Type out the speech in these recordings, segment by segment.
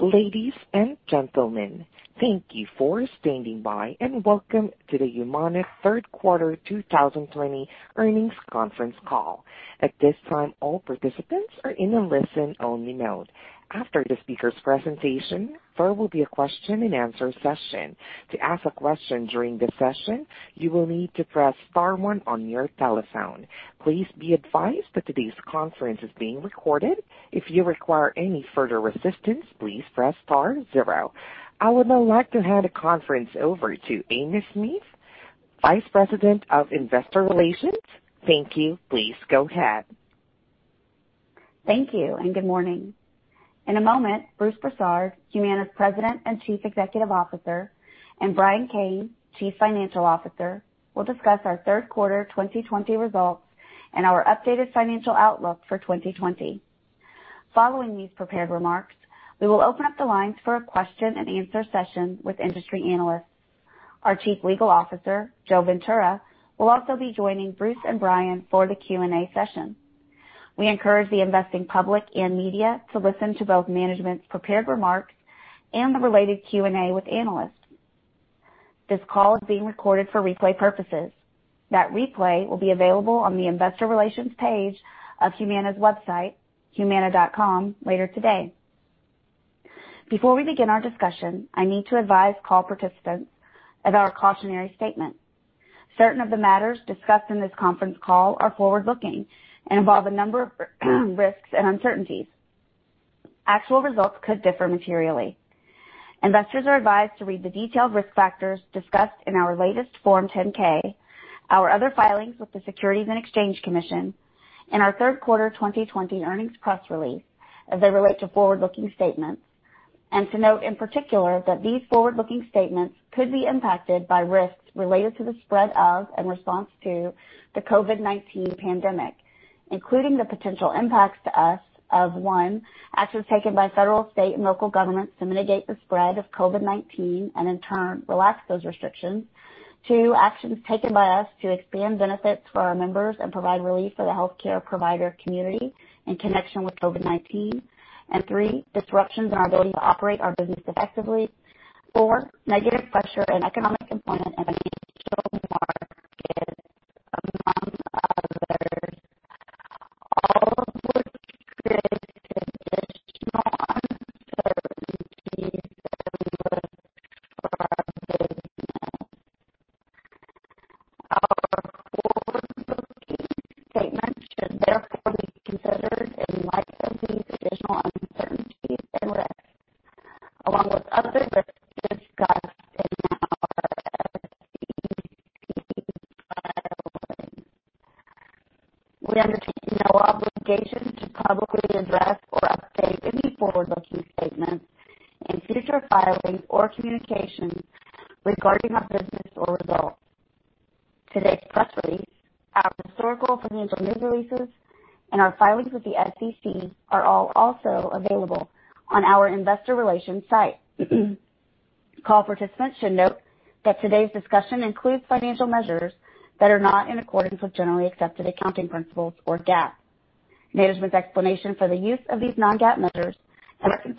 Ladies and gentlemen, thank you for standing by, and welcome to the Humana third quarter 2020 earnings conference call. At this time, all participants are in a listen-only mode. After the speaker's presentation, there will be a question-and-answer session. To ask a question during the session, you will need to press star one on your telephone. Please be advised that today's conference is being recorded. If you require any further assistance, please press star zero. I would now like to hand the conference over to Amy Smith, Vice President of Investor Relations. Thank you. Please go ahead. Thank you and good morning. In a moment, Bruce Broussard, Humana's President and Chief Executive Officer, and Brian Kane, Chief Financial Officer, will discuss our third quarter 2020 results and our updated financial outlook for 2020. Following these prepared remarks, we will open up the lines for a question-and-answer session with industry analysts. Our Chief Legal Officer, Joe Ventura, will also be joining Bruce and Brian for the Q&A session. We encourage the investing public and media to listen to both management's prepared remarks and the related Q&A with analysts. This call is being recorded for replay purposes. That replay will be available on the investor relations page of Humana's website, humana.com, later today. Before we begin our discussion, I need to advise call participants of our cautionary statement. Certain of the matters discussed in this conference call are forward-looking and involve a number of risks and uncertainties. Actual results could differ materially. Investors are advised to read the detailed risk factors discussed in our latest Form 10-K, our other filings with the Securities and Exchange Commission, and our third quarter 2020 earnings press release, as they relate to forward-looking statements. To note in particular that these forward-looking statements could be impacted by risks related to the spread of and response to the COVID-19 pandemic, including the potential impacts to us of, one, actions taken by federal, state, and local governments to mitigate the spread of COVID-19 and in turn relax those restrictions. Two, actions taken by us to expand benefits for our members and provide relief for the healthcare provider community in connection with COVID-19. Three, disruptions in our ability to operate our business effectively. Four, negative pressure in economic component and financial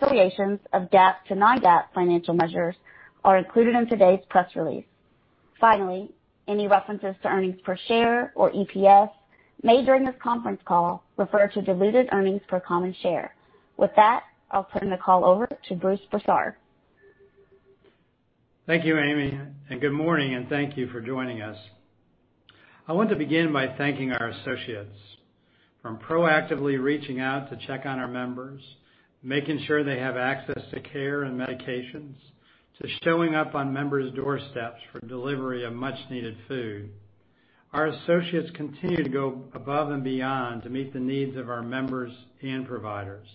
and reconciliations of GAAP to non-GAAP financial measures are included in today's press release. Finally, any references to Earnings Per Share, or EPS, made during this conference call refer to diluted earnings per common share. With that, I'll turn the call over to Bruce Broussard. Thank you, Amy. Good morning and thank you for joining us. I want to begin by thanking our associates for proactively reaching out to check on our members, making sure they have access to care and medications, to showing up on members' doorsteps for delivery of much-needed food. Our associates continue to go above and beyond to meet the needs of our members and providers.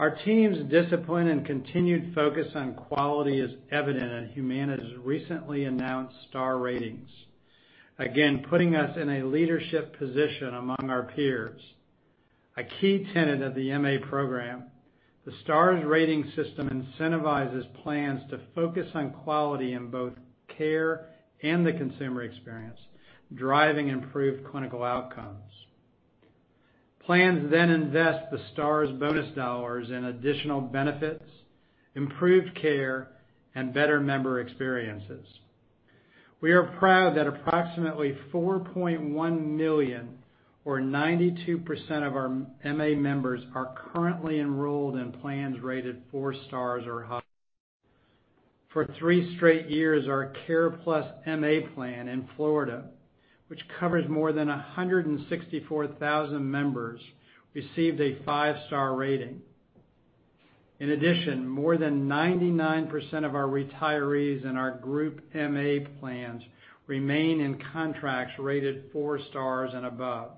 Our team's discipline and continued focus on quality is evident in Humana's recently announced Star Ratings, again putting us in a leadership position among our peers. A key tenet of the MA program, the Star Ratings system incentivizes plans to focus on quality in both care and the consumer experience, driving improved clinical outcomes. Plans invest the Star Ratings bonus dollars in additional benefits, improved care, and better member experiences. We are proud that approximately 4.1 million, or 92% of our MA members, are currently enrolled in plans rated four stars or higher. For three straight years, our CarePlus MA plan in Florida, which covers more than 164,000 members, received a five-star rating. In addition, more than 99% of our retirees in our group MA plans remain in contracts rated four stars and above.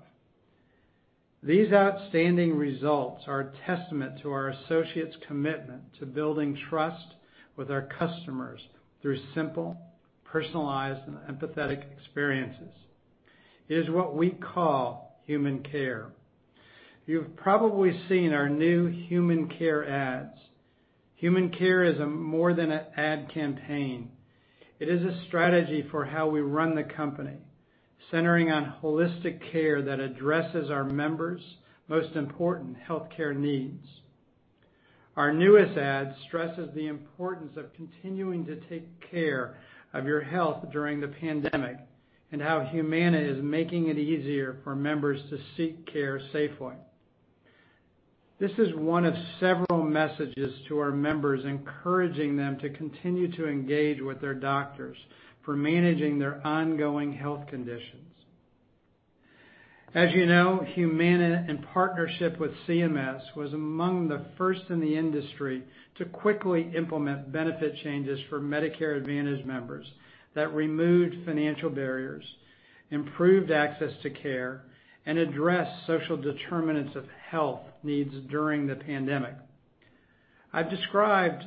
These outstanding results are a testament to our associates' commitment to building trust with our customers through simple, personalized, and empathetic experiences. It is what we call Human Care. You've probably seen our new Human Care ads. Human Care is more than an ad campaign. It is a strategy for how we run the company, centering on holistic care that addresses our members' most important healthcare needs. Our newest ad stresses the importance of continuing to take care of your health during the pandemic, how Humana is making it easier for members to seek care safely. This is one of several messages to our members, encouraging them to continue to engage with their doctors for managing their ongoing health conditions. As you know, Humana, in partnership with CMS, was among the first in the industry to quickly implement benefit changes for Medicare Advantage members that removed financial barriers, improved access to care, and addressed social determinants of health needs during the pandemic. I've described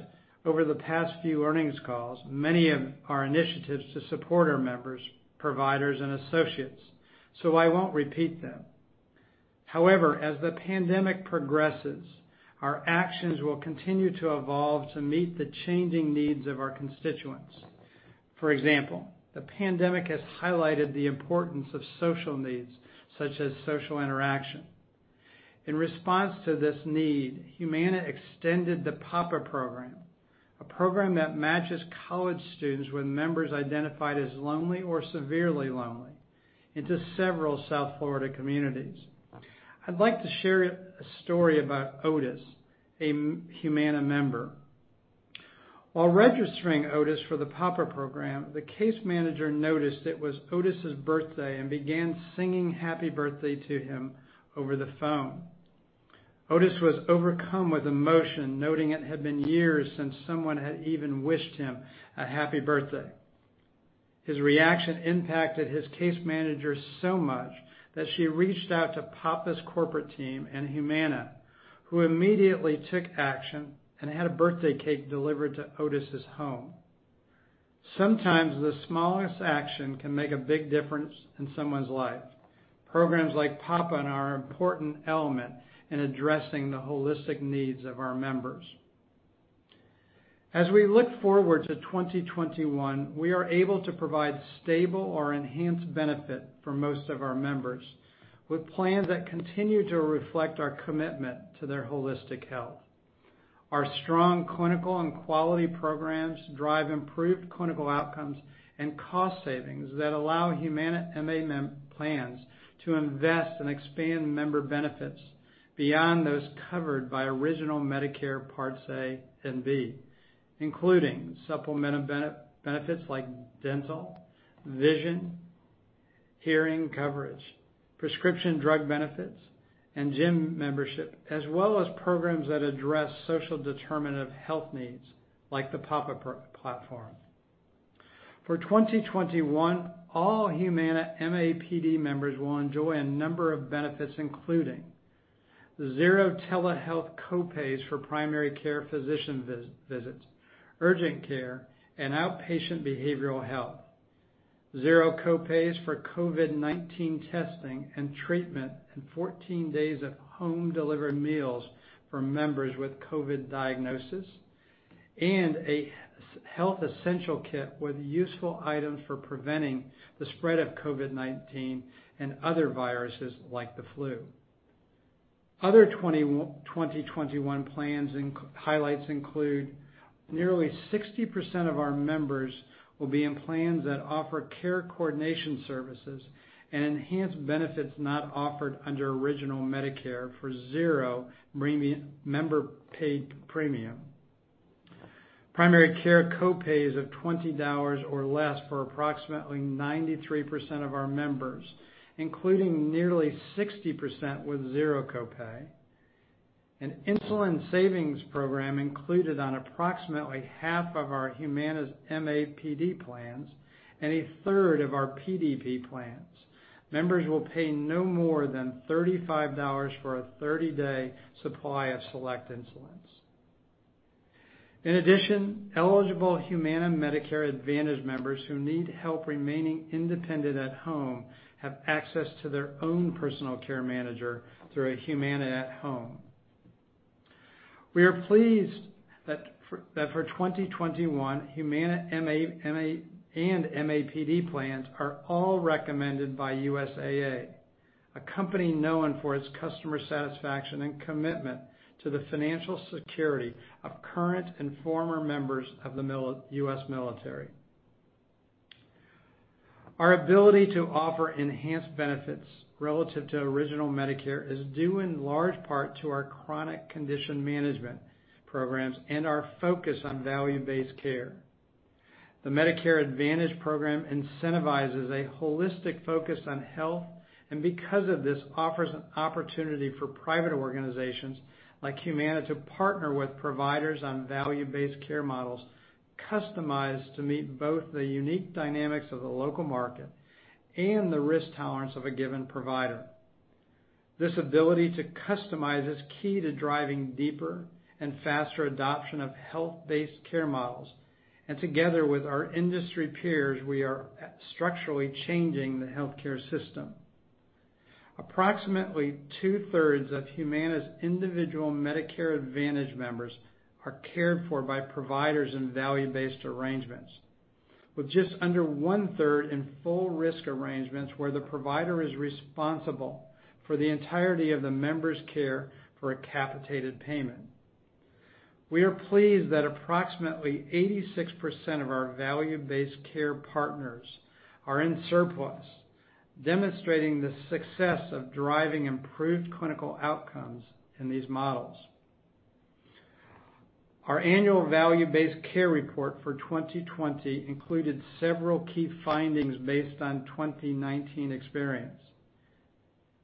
over the past few earnings calls many of our initiatives to support our members, providers, and associates, I won't repeat them. As the pandemic progresses, our actions will continue to evolve to meet the changing needs of our constituents. For example, the pandemic has highlighted the importance of social needs, such as social interaction. In response to this need, Humana extended the Papa program, a program that matches college students with members identified as lonely or severely lonely into several South Florida communities. I'd like to share a story about Otis, a Humana member. While registering Otis for the Papa program, the case manager noticed it was Otis' birthday and began singing "Happy Birthday" to him over the phone. Otis was overcome with emotion, noting it had been years since someone had even wished him a happy birthday. His reaction impacted his case manager so much that she reached out to Papa's corporate team and Humana, who immediately took action and had a birthday cake delivered to Otis' home. Sometimes the smallest action can make a big difference in someone's life. Programs like Papa are an important element in addressing the holistic needs of our members. As we look forward to 2021, we are able to provide stable or enhanced benefit for most of our members, with plans that continue to reflect our commitment to their holistic health. Our strong clinical and quality programs drive improved clinical outcomes and cost savings that allow Humana MA plans to invest and expand member benefits beyond those covered by original Medicare Parts A and B, including supplement benefits like dental, vision, hearing coverage, prescription drug benefits, and gym membership, as well as programs that address social determinant health needs, like the Papa platform. For 2021, all Humana MAPD members will enjoy a number of benefits, including, $0 telehealth copays for primary care physician visits, urgent care, and outpatient behavioral health, $0 copays for COVID-19 testing and treatment, and 14 days of home-delivered meals for members with COVID diagnosis, and a health essential kit with useful items for preventing the spread of COVID-19 and other viruses like the flu. Other 2021 plans highlights include nearly 60% of our members will be in plans that offer care coordination services and enhanced benefits not offered under Original Medicare for $0 member-paid premium. Primary care copays of $20 or less for approximately 93% of our members, including nearly 60% with $0 copay. An Insulin Savings Program included on approximately 1/2 of our Humana MAPD plans and 1/3 of our PDP plans. Members will pay no more than $35 for a 30-day supply of select insulins. In addition, eligible Humana Medicare Advantage members who need help remaining independent at home have access to their own personal care manager through a Humana at Home. We are pleased that for 2021, Humana MA and MAPD plans are all recommended by USAA, a company known for its customer satisfaction and commitment to the financial security of current and former members of the U.S. military. Our ability to offer enhanced benefits relative to original Medicare is due in large part to our chronic condition management programs and our focus on value-based care. The Medicare Advantage program incentivizes a holistic focus on health, and because of this, offers an opportunity for private organizations like Humana to partner with providers on value-based care models customized to meet both the unique dynamics of the local market and the risk tolerance of a given provider. This ability to customize is key to driving deeper and faster adoption of health-based care models, and together with our industry peers, we are structurally changing the healthcare system. Approximately 2/3 of Humana's individual Medicare Advantage members are cared for by providers in value-based arrangements, with just under 1/3 in full risk arrangements where the provider is responsible for the entirety of the member's care for a capitated payment. We are pleased that approximately 86% of our value-based care partners are in surplus, demonstrating the success of driving improved clinical outcomes in these models. Our annual value-based care report for 2020 included several key findings based on 2019 experience.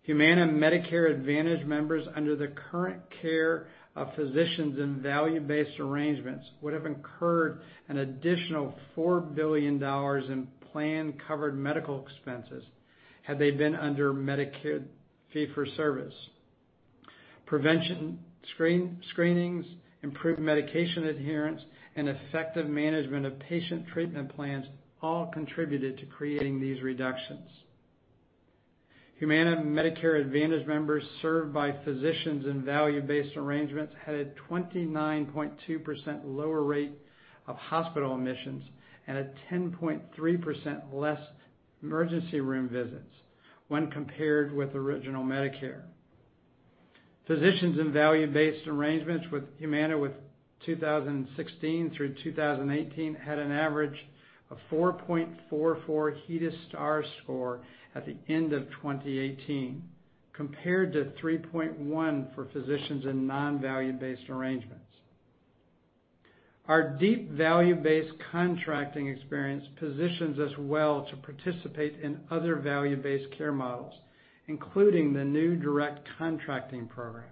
Humana Medicare Advantage members under the current care of physicians in value-based arrangements would have incurred an additional $4 billion in plan-covered medical expenses had they been under Medicare Fee-For-Service. Prevention screenings, improved medication adherence, and effective management of patient treatment plans all contributed to creating these reductions. Humana Medicare Advantage members served by physicians in value-based arrangements had a 29.2% lower rate of hospital admissions and a 10.3% less emergency room visits when compared with Original Medicare. Physicians in value-based arrangements with Humana with 2016 through 2018 had an average of 4.44 HEDIS Stars score at the end of 2018, compared to 3.1 for physicians in non-value-based arrangements. Our deep value-based contracting experience positions us well to participate in other value-based care models, including the new Direct Contracting program.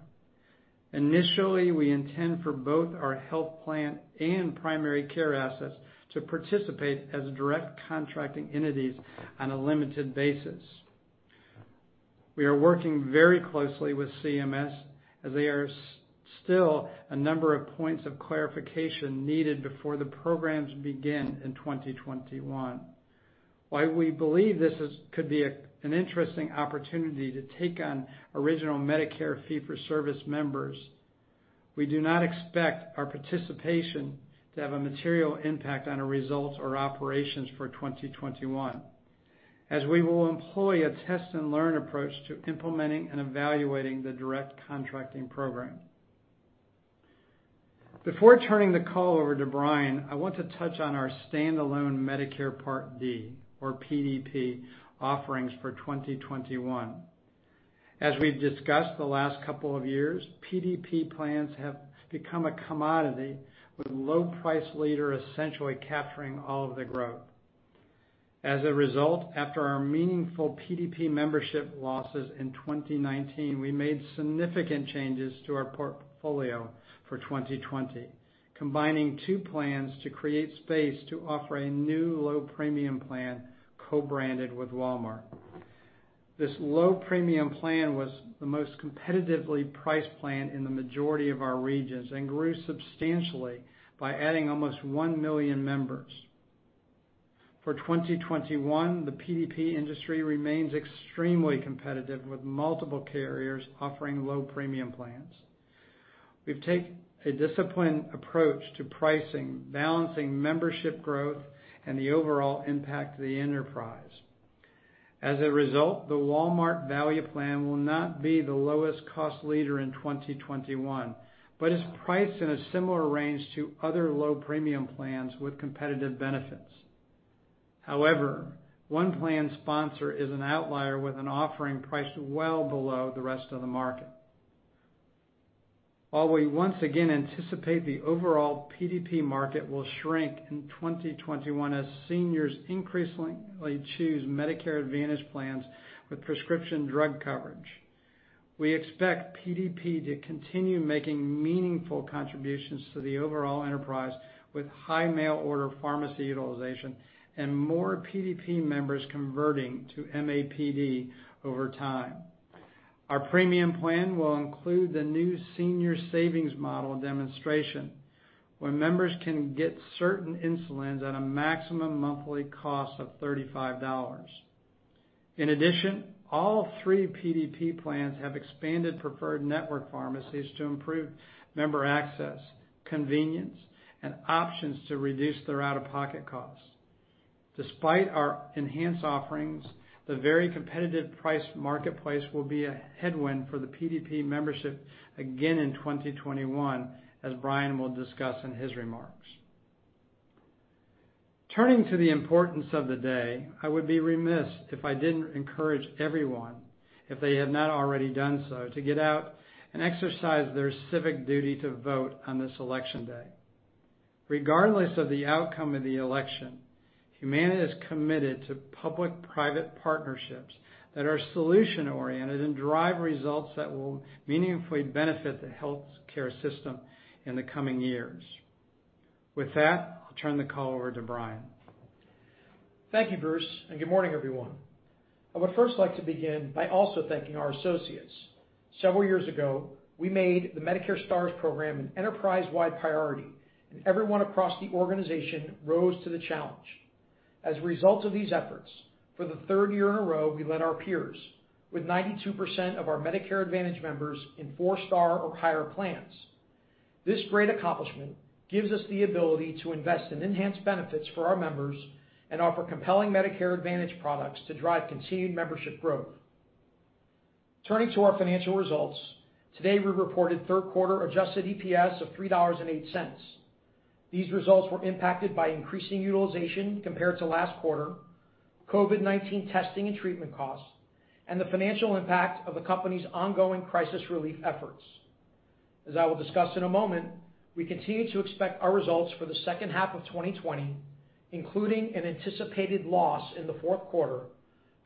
Initially, we intend for both our health plan and primary care assets to participate as Direct Contracting entities on a limited basis. We are working very closely with CMS as there is still a number of points of clarification needed before the programs begin in 2021. While we believe this could be an interesting opportunity to take on Original Medicare Fee-For-Service members, we do not expect our participation to have a material impact on our results or operations for 2021, as we will employ a test-and-learn approach to implementing and evaluating the Direct Contracting program. Before turning the call over to Brian, I want to touch on our standalone Medicare Part D or PDP offerings for 2021. As we've discussed the last couple of years, PDP plans have become a commodity with low price leader essentially capturing all of the growth. As a result, after our meaningful PDP membership losses in 2019, we made significant changes to our portfolio for 2020, combining two plans to create space to offer a new low premium plan co-branded with Walmart. This low premium plan was the most competitively priced plan in the majority of our regions and grew substantially by adding almost one million members. For 2021, the PDP industry remains extremely competitive, with multiple carriers offering low premium plans. We've taken a disciplined approach to pricing, balancing membership growth, and the overall impact to the enterprise. As a result, the Walmart Value Plan will not be the lowest cost leader in 2021 but is priced in a similar range to other low premium plans with competitive benefits. However, one plan sponsor is an outlier with an offering priced well below the rest of the market. While we once again anticipate the overall PDP market will shrink in 2021 as seniors increasingly choose Medicare Advantage plans with prescription drug coverage, we expect PDP to continue making meaningful contributions to the overall enterprise with high mail order pharmacy utilization and more PDP members converting to MAPD over time. Our premium plan will include the new Senior Savings Model demonstration, where members can get certain insulins at a maximum monthly cost of $35. In addition, all three PDP plans have expanded preferred network pharmacies to improve member access, convenience, and options to reduce their out-of-pocket costs. Despite our enhanced offerings, the very competitive priced marketplace will be a headwind for the PDP membership again in 2021, as Brian will discuss in his remarks. Turning to the importance of the day, I would be remiss if I didn't encourage everyone, if they have not already done so, to get out and exercise their civic duty to vote on this election day. Regardless of the outcome of the election, Humana is committed to public-private partnerships that are solution-oriented and drive results that will meaningfully benefit the healthcare system in the coming years. With that, I'll turn the call over to Brian. Thank you, Bruce, and good morning, everyone. I would first like to begin by also thanking our associates. Several years ago, we made the Medicare Stars program an enterprise-wide priority, and everyone across the organization rose to the challenge. As a result of these efforts, for the third year in a row, we led our peers with 92% of our Medicare Advantage members in four-star or higher plans. This great accomplishment gives us the ability to invest in enhanced benefits for our members and offer compelling Medicare Advantage products to drive continued membership growth. Turning to our financial results, today, we reported third quarter adjusted EPS of $3.08. These results were impacted by increasing utilization compared to last quarter, COVID-19 testing and treatment costs, and the financial impact of the company's ongoing crisis relief efforts. As I will discuss in a moment, we continue to expect our results for the second half of 2020, including an anticipated loss in the fourth quarter,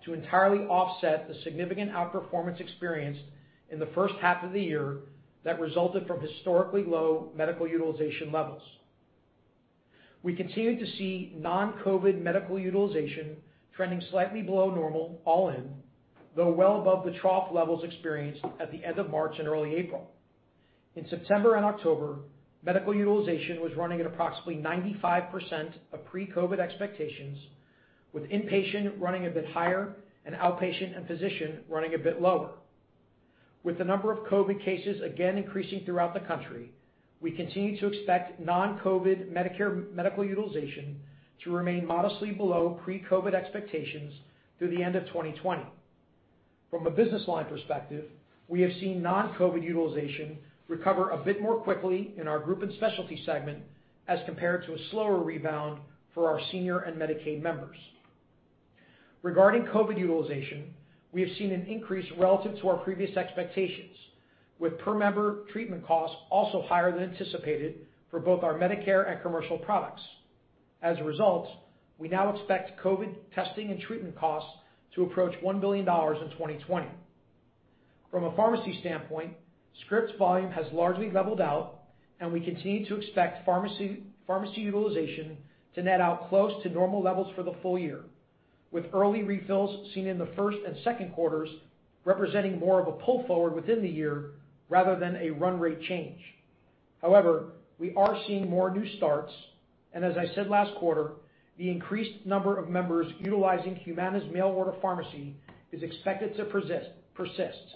to entirely offset the significant outperformance experienced in the first half of the year that resulted from historically low medical utilization levels. We continue to see non-COVID medical utilization trending slightly below normal all in, though well above the trough levels experienced at the end of March and early April. In September and October, medical utilization was running at approximately 95% of pre-COVID expectations, with inpatient running a bit higher and outpatient and physician running a bit lower. With the number of COVID cases again increasing throughout the country, we continue to expect non-COVID Medicare medical utilization to remain modestly below pre-COVID expectations through the end of 2020. From a business line perspective, we have seen non-COVID utilization recover a bit more quickly in our group and specialty segment as compared to a slower rebound for our senior and Medicaid members. Regarding COVID utilization, we have seen an increase relative to our previous expectations, with per member treatment costs also higher than anticipated for both our Medicare and commercial products. As a result, we now expect COVID testing and treatment costs to approach $1 billion in 2020. From a pharmacy standpoint, scripts volume has largely leveled out, and we continue to expect pharmacy utilization to net out close to normal levels for the full year, with early refills seen in the first and second quarters representing more of a pull forward within the year rather than a run rate change. However, we are seeing more new starts, and as I said last quarter, the increased number of members utilizing Humana's mail order pharmacy is expected to persist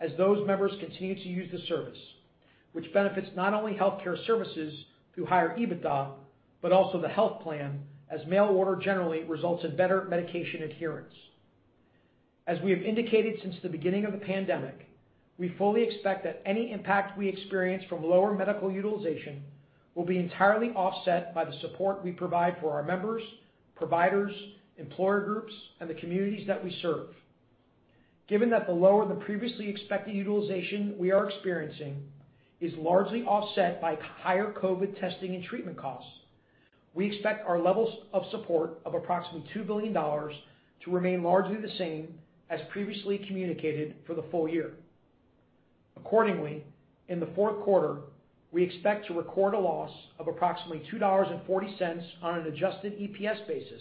as those members continue to use the service, which benefits not only healthcare services through higher EBITDA, but also the health plan, as mail order generally results in better medication adherence. As we have indicated since the beginning of the pandemic, we fully expect that any impact we experience from lower medical utilization will be entirely offset by the support we provide for our members, providers, employer groups, and the communities that we serve. Given that the lower than previously expected utilization we are experiencing is largely offset by higher COVID testing and treatment costs, we expect our levels of support of approximately $2 billion to remain largely the same as previously communicated for the full year. Accordingly, in the fourth quarter, we expect to record a loss of approximately $2.40 on an adjusted EPS basis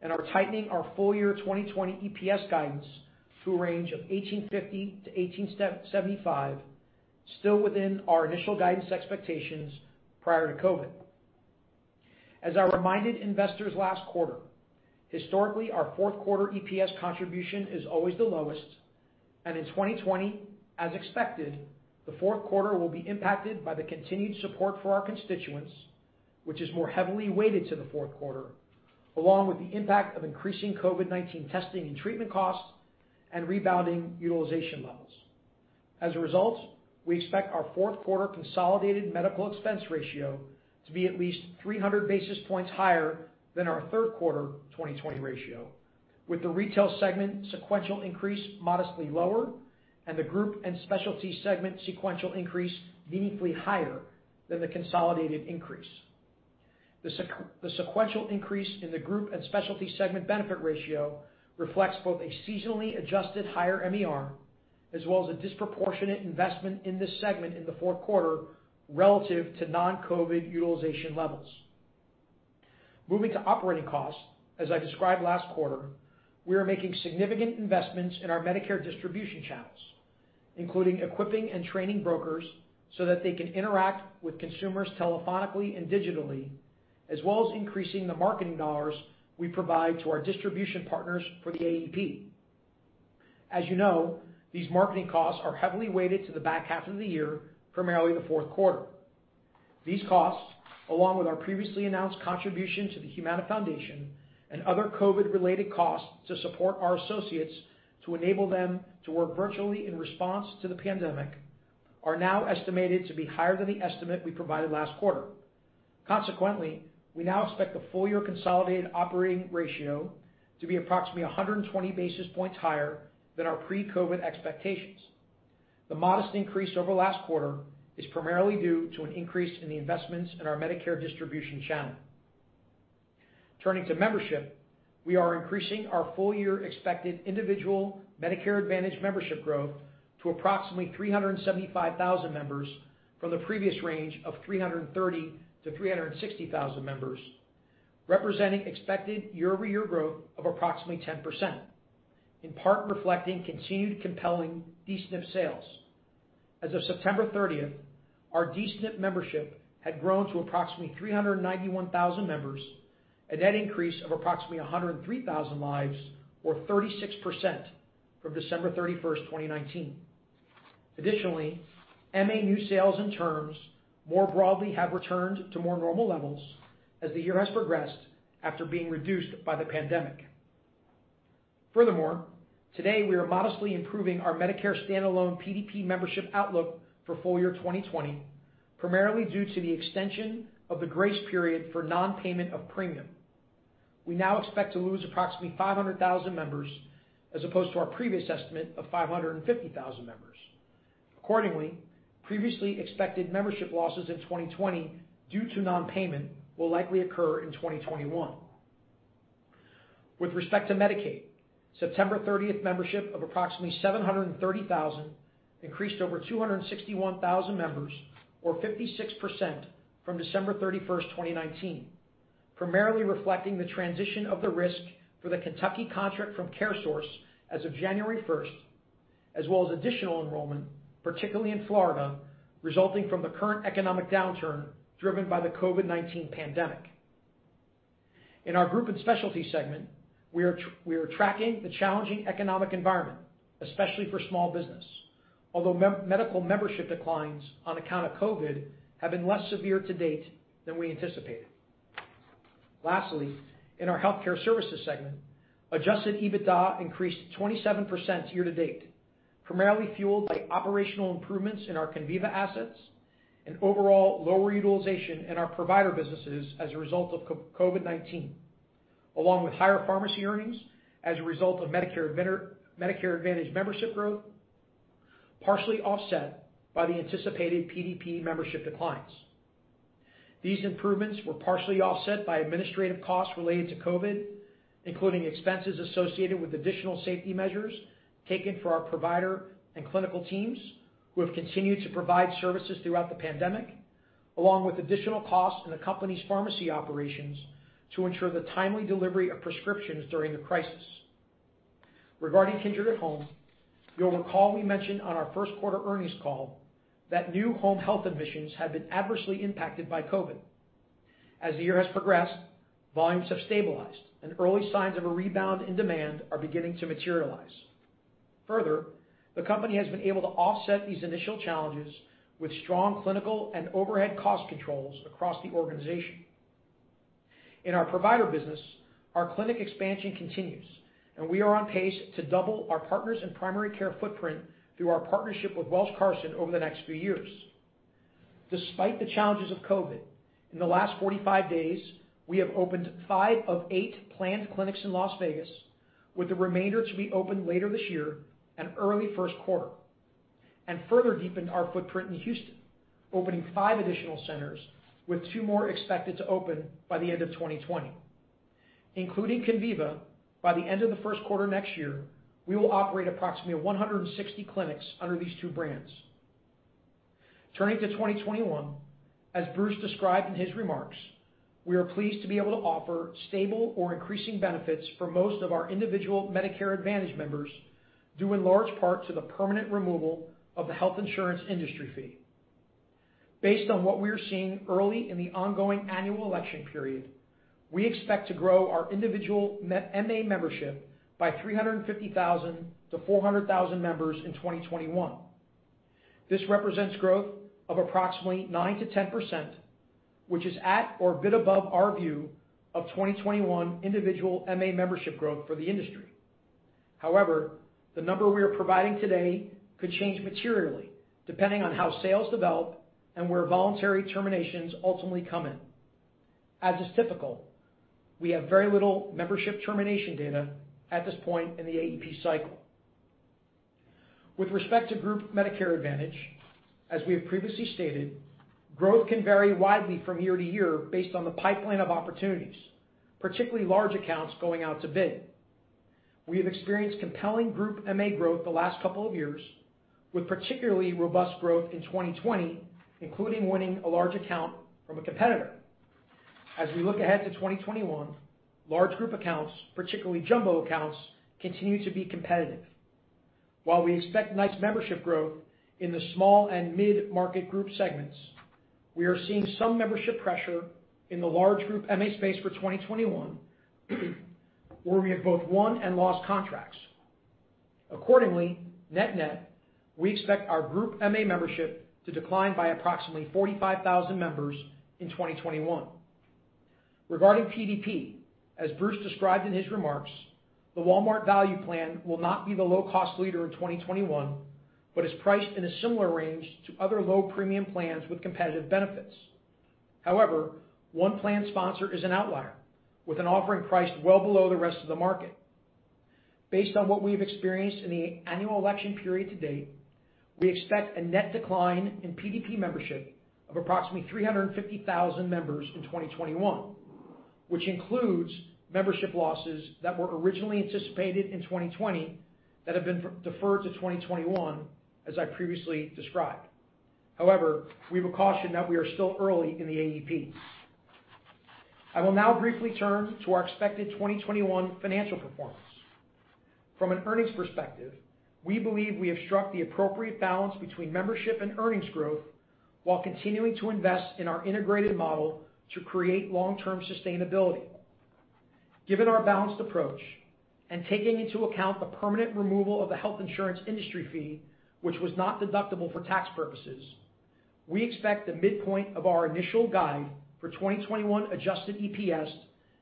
and are tightening our full year 2020 EPS guidance to a range of $18.50-$18.75, still within our initial guidance expectations prior to COVID-19. As I reminded investors last quarter, historically, our fourth quarter EPS contribution is always the lowest, and in 2020, as expected, the fourth quarter will be impacted by the continued support for our constituents, which is more heavily weighted to the fourth quarter, along with the impact of increasing COVID-19 testing and treatment costs and rebounding utilization levels. As a result, we expect our fourth quarter consolidated medical expense ratio to be at least 300 basis points higher than our third quarter 2020 ratio, with the retail segment sequential increase modestly lower and the group and specialty segment sequential increase meaningfully higher than the consolidated increase. The sequential increase in the group and specialty segment benefit ratio reflects both a seasonally adjusted higher MBR as well as a disproportionate investment in this segment in the fourth quarter relative to non-COVID utilization levels. Moving to operating costs, as I described last quarter, we are making significant investments in our Medicare distribution channels, including equipping and training brokers so that they can interact with consumers telephonically and digitally, as well as increasing the marketing dollars we provide to our distribution partners for the AEP. As you know, these marketing costs are heavily weighted to the back half of the year, primarily the fourth quarter. These costs, along with our previously announced contribution to The Humana Foundation and other COVID-related costs to support our associates to enable them to work virtually in response to the pandemic, are now estimated to be higher than the estimate we provided last quarter. Consequently, we now expect the full year consolidated operating ratio to be approximately 120 basis points higher than our pre-COVID-19 expectations. The modest increase over last quarter is primarily due to an increase in the investments in our Medicare distribution channel. Turning to membership, we are increasing our full year expected individual Medicare Advantage membership growth to approximately 375,000 members from the previous range of 330,000 members to 360,000 members, representing expected year-over-year growth of approximately 10%, in part reflecting continued compelling D-SNP sales. As of September 30th, our D-SNP membership had grown to approximately 391,000 members, a net increase of approximately 103,000 lives or 36% from December 31st, 2019. Additionally, MA new sales and terms more broadly have returned to more normal levels as the year has progressed after being reduced by the pandemic. Furthermore, today we are modestly improving our Medicare stand-alone PDP membership outlook for full year 2020, primarily due to the extension of the grace period for non-payment of premium. We now expect to lose approximately 500,000 members as opposed to our previous estimate of 550,000 members. Accordingly, previously expected membership losses in 2020 due to non-payment will likely occur in 2021. With respect to Medicaid, September 30th membership of approximately 730,000 increased over 261,000 members or 56% from December 31st, 2019, primarily reflecting the transition of the risk for the Kentucky contract from CareSource as of January 1st, as well as additional enrollment, particularly in Florida, resulting from the current economic downturn driven by the COVID-19 pandemic. In our group and specialty segment, we are tracking the challenging economic environment, especially for small business. Although medical membership declines on account of COVID have been less severe to date than we anticipated. Lastly, in our healthcare services segment, adjusted EBITDA increased 27% year-to-date, primarily fueled by operational improvements in our Conviva assets and overall lower utilization in our provider businesses as a result of COVID-19, along with higher pharmacy earnings as a result of Medicare Advantage membership growth, partially offset by the anticipated PDP membership declines. These improvements were partially offset by administrative costs related to COVID, including expenses associated with additional safety measures taken for our provider and clinical teams who have continued to provide services throughout the pandemic, along with additional costs in the company's pharmacy operations to ensure the timely delivery of prescriptions during the crisis. Regarding Kindred at Home, you'll recall we mentioned on our first quarter earnings call that new home health admissions have been adversely impacted by COVID. As the year has progressed, volumes have stabilized and early signs of a rebound in demand are beginning to materialize. Further, the company has been able to offset these initial challenges with strong clinical and overhead cost controls across the organization. In our provider business, our clinic expansion continues, and we are on pace to double our Partners in Primary Care footprint through our partnership with Welsh, Carson over the next few years. Despite the challenges of COVID, in the last 45 days, we have opened five of eight planned clinics in Las Vegas, with the remainder to be opened later this year and early first quarter, and further deepened our footprint in Houston, opening five additional centers, with two more expected to open by the end of 2020. Including Conviva, by the end of the first quarter next year, we will operate approximately 160 clinics under these two brands. Turning to 2021, as Bruce described in his remarks, we are pleased to be able to offer stable or increasing benefits for most of our individual Medicare Advantage members, due in large part to the permanent removal of the Health Insurance Industry Fee. Based on what we are seeing early in the ongoing Annual Election Period, we expect to grow our individual MA membership by 350,000 to 400,000 members in 2021. This represents growth of approximately 9%-10%, which is at or a bit above our view of 2021 individual MA membership growth for the industry. However, the number we are providing today could change materially, depending on how sales develop and where voluntary terminations ultimately come in. As is typical, we have very little membership termination data at this point in the AEP cycle. With respect to group Medicare Advantage, as we have previously stated, growth can vary widely from year-to-year based on the pipeline of opportunities, particularly large accounts going out to bid. We have experienced compelling group MA growth the last couple of years, with particularly robust growth in 2020, including winning a large account from a competitor. As we look ahead to 2021, large group accounts, particularly jumbo accounts, continue to be competitive. While we expect nice membership growth in the small and mid-market group segments, we are seeing some membership pressure in the large group MA space for 2021, where we have both won and lost contracts. Accordingly, net-net, we expect our group MA membership to decline by approximately 45,000 members in 2021. Regarding PDP, as Bruce described in his remarks, the Walmart Value Plan will not be the low-cost leader in 2021 but is priced in a similar range to other low premium plans with competitive benefits. One plan sponsor is an outlier, with an offering priced well below the rest of the market. Based on what we've experienced in the Annual Election Period to date, we expect a net decline in PDP membership of approximately 350,000 members in 2021, which includes membership losses that were originally anticipated in 2020 that have been deferred to 2021, as I previously described. However, we would caution that we are still early in the AEP. I will now briefly turn to our expected 2021 financial performance. From an earnings perspective, we believe we have struck the appropriate balance between membership and earnings growth while continuing to invest in our integrated model to create long-term sustainability. Given our balanced approach and taking into account the permanent removal of the Health Insurance Industry Fee, which was not deductible for tax purposes, we expect the midpoint of our initial guide for 2021 adjusted EPS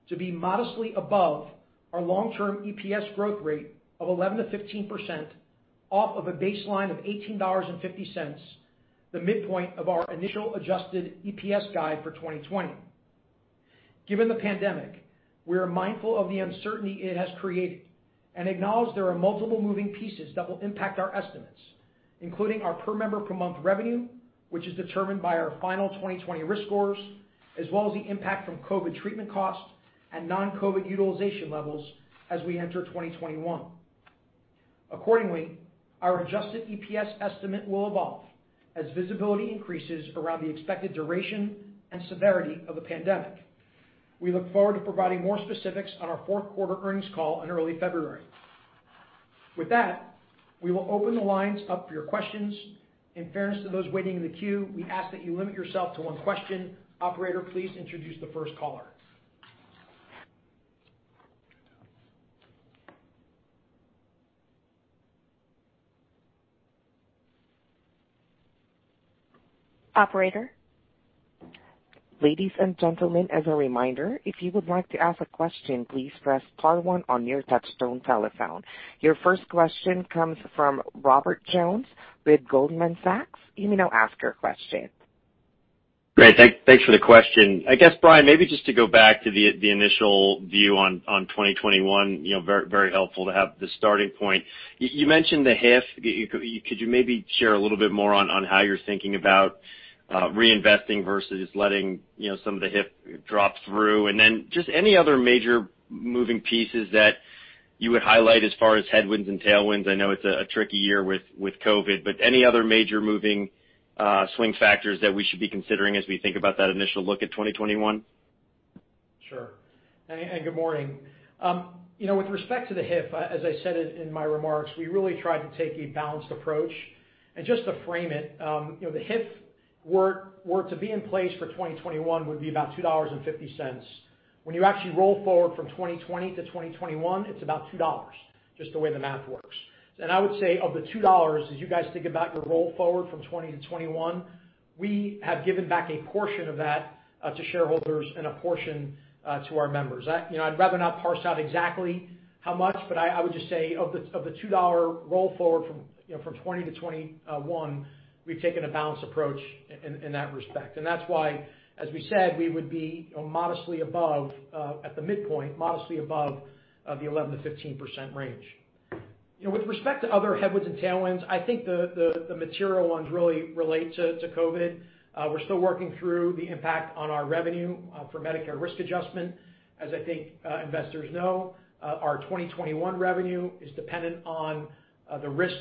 to be modestly above our long-term EPS growth rate of 11%-15% off of a baseline of $18.50, the midpoint of our initial adjusted EPS guide for 2020. Given the pandemic, we are mindful of the uncertainty it has created and acknowledge there are multiple moving pieces that will impact our estimates, including our Per Member Per Month revenue, which is determined by our final 2020 risk scores, as well as the impact from COVID treatment costs and non-COVID utilization levels as we enter 2021. Accordingly, our adjusted EPS estimate will evolve as visibility increases around the expected duration and severity of the pandemic. We look forward to providing more specifics on our fourth quarter earnings call in early February. With that, we will open the lines up for your questions. In fairness to those waiting in the queue, we ask that you limit yourself to one question. Operator, please introduce the first caller. Operator? Ladies and gentlemen as a reminder if you would like to ask a question, please press star one on your touchtone telephone. Your first question comes from Robert Jones with Goldman Sachs. Guess, Brian, maybe just to go back to the initial view on 2021, very helpful to have the starting point. You mentioned the HIF. Could you maybe share a little bit more on how you're thinking about reinvesting versus letting some of the HIF drop through? Then just any other major moving pieces that you would highlight as far as headwinds and tailwinds. I know it's a tricky year with COVID, but any other major moving swing factors that we should be considering as we think about that initial look at 2021? Sure. Good morning. With respect to the HIF, as I said in my remarks, we really tried to take a balanced approach. Just to frame it, the HIF were to be in place for 2021 would be about $2.50. When you actually roll forward from 2020 to 2021, it's about $2, just the way the math works. I would say of the $2, as you guys think about your roll forward from 2020 to 2021, we have given back a portion of that to shareholders and a portion to our members. I'd rather not parse out exactly how much, but I would just say of the $2 roll forward from 2020 to 2021, we've taken a balanced approach in that respect. That's why, as we said, we would be modestly above at the midpoint, modestly above the 11%-15% range. With respect to other headwinds and tailwinds, I think the material ones really relate to COVID. We're still working through the impact on our revenue for Medicare risk adjustment. As I think investors know, our 2021 revenue is dependent on the risk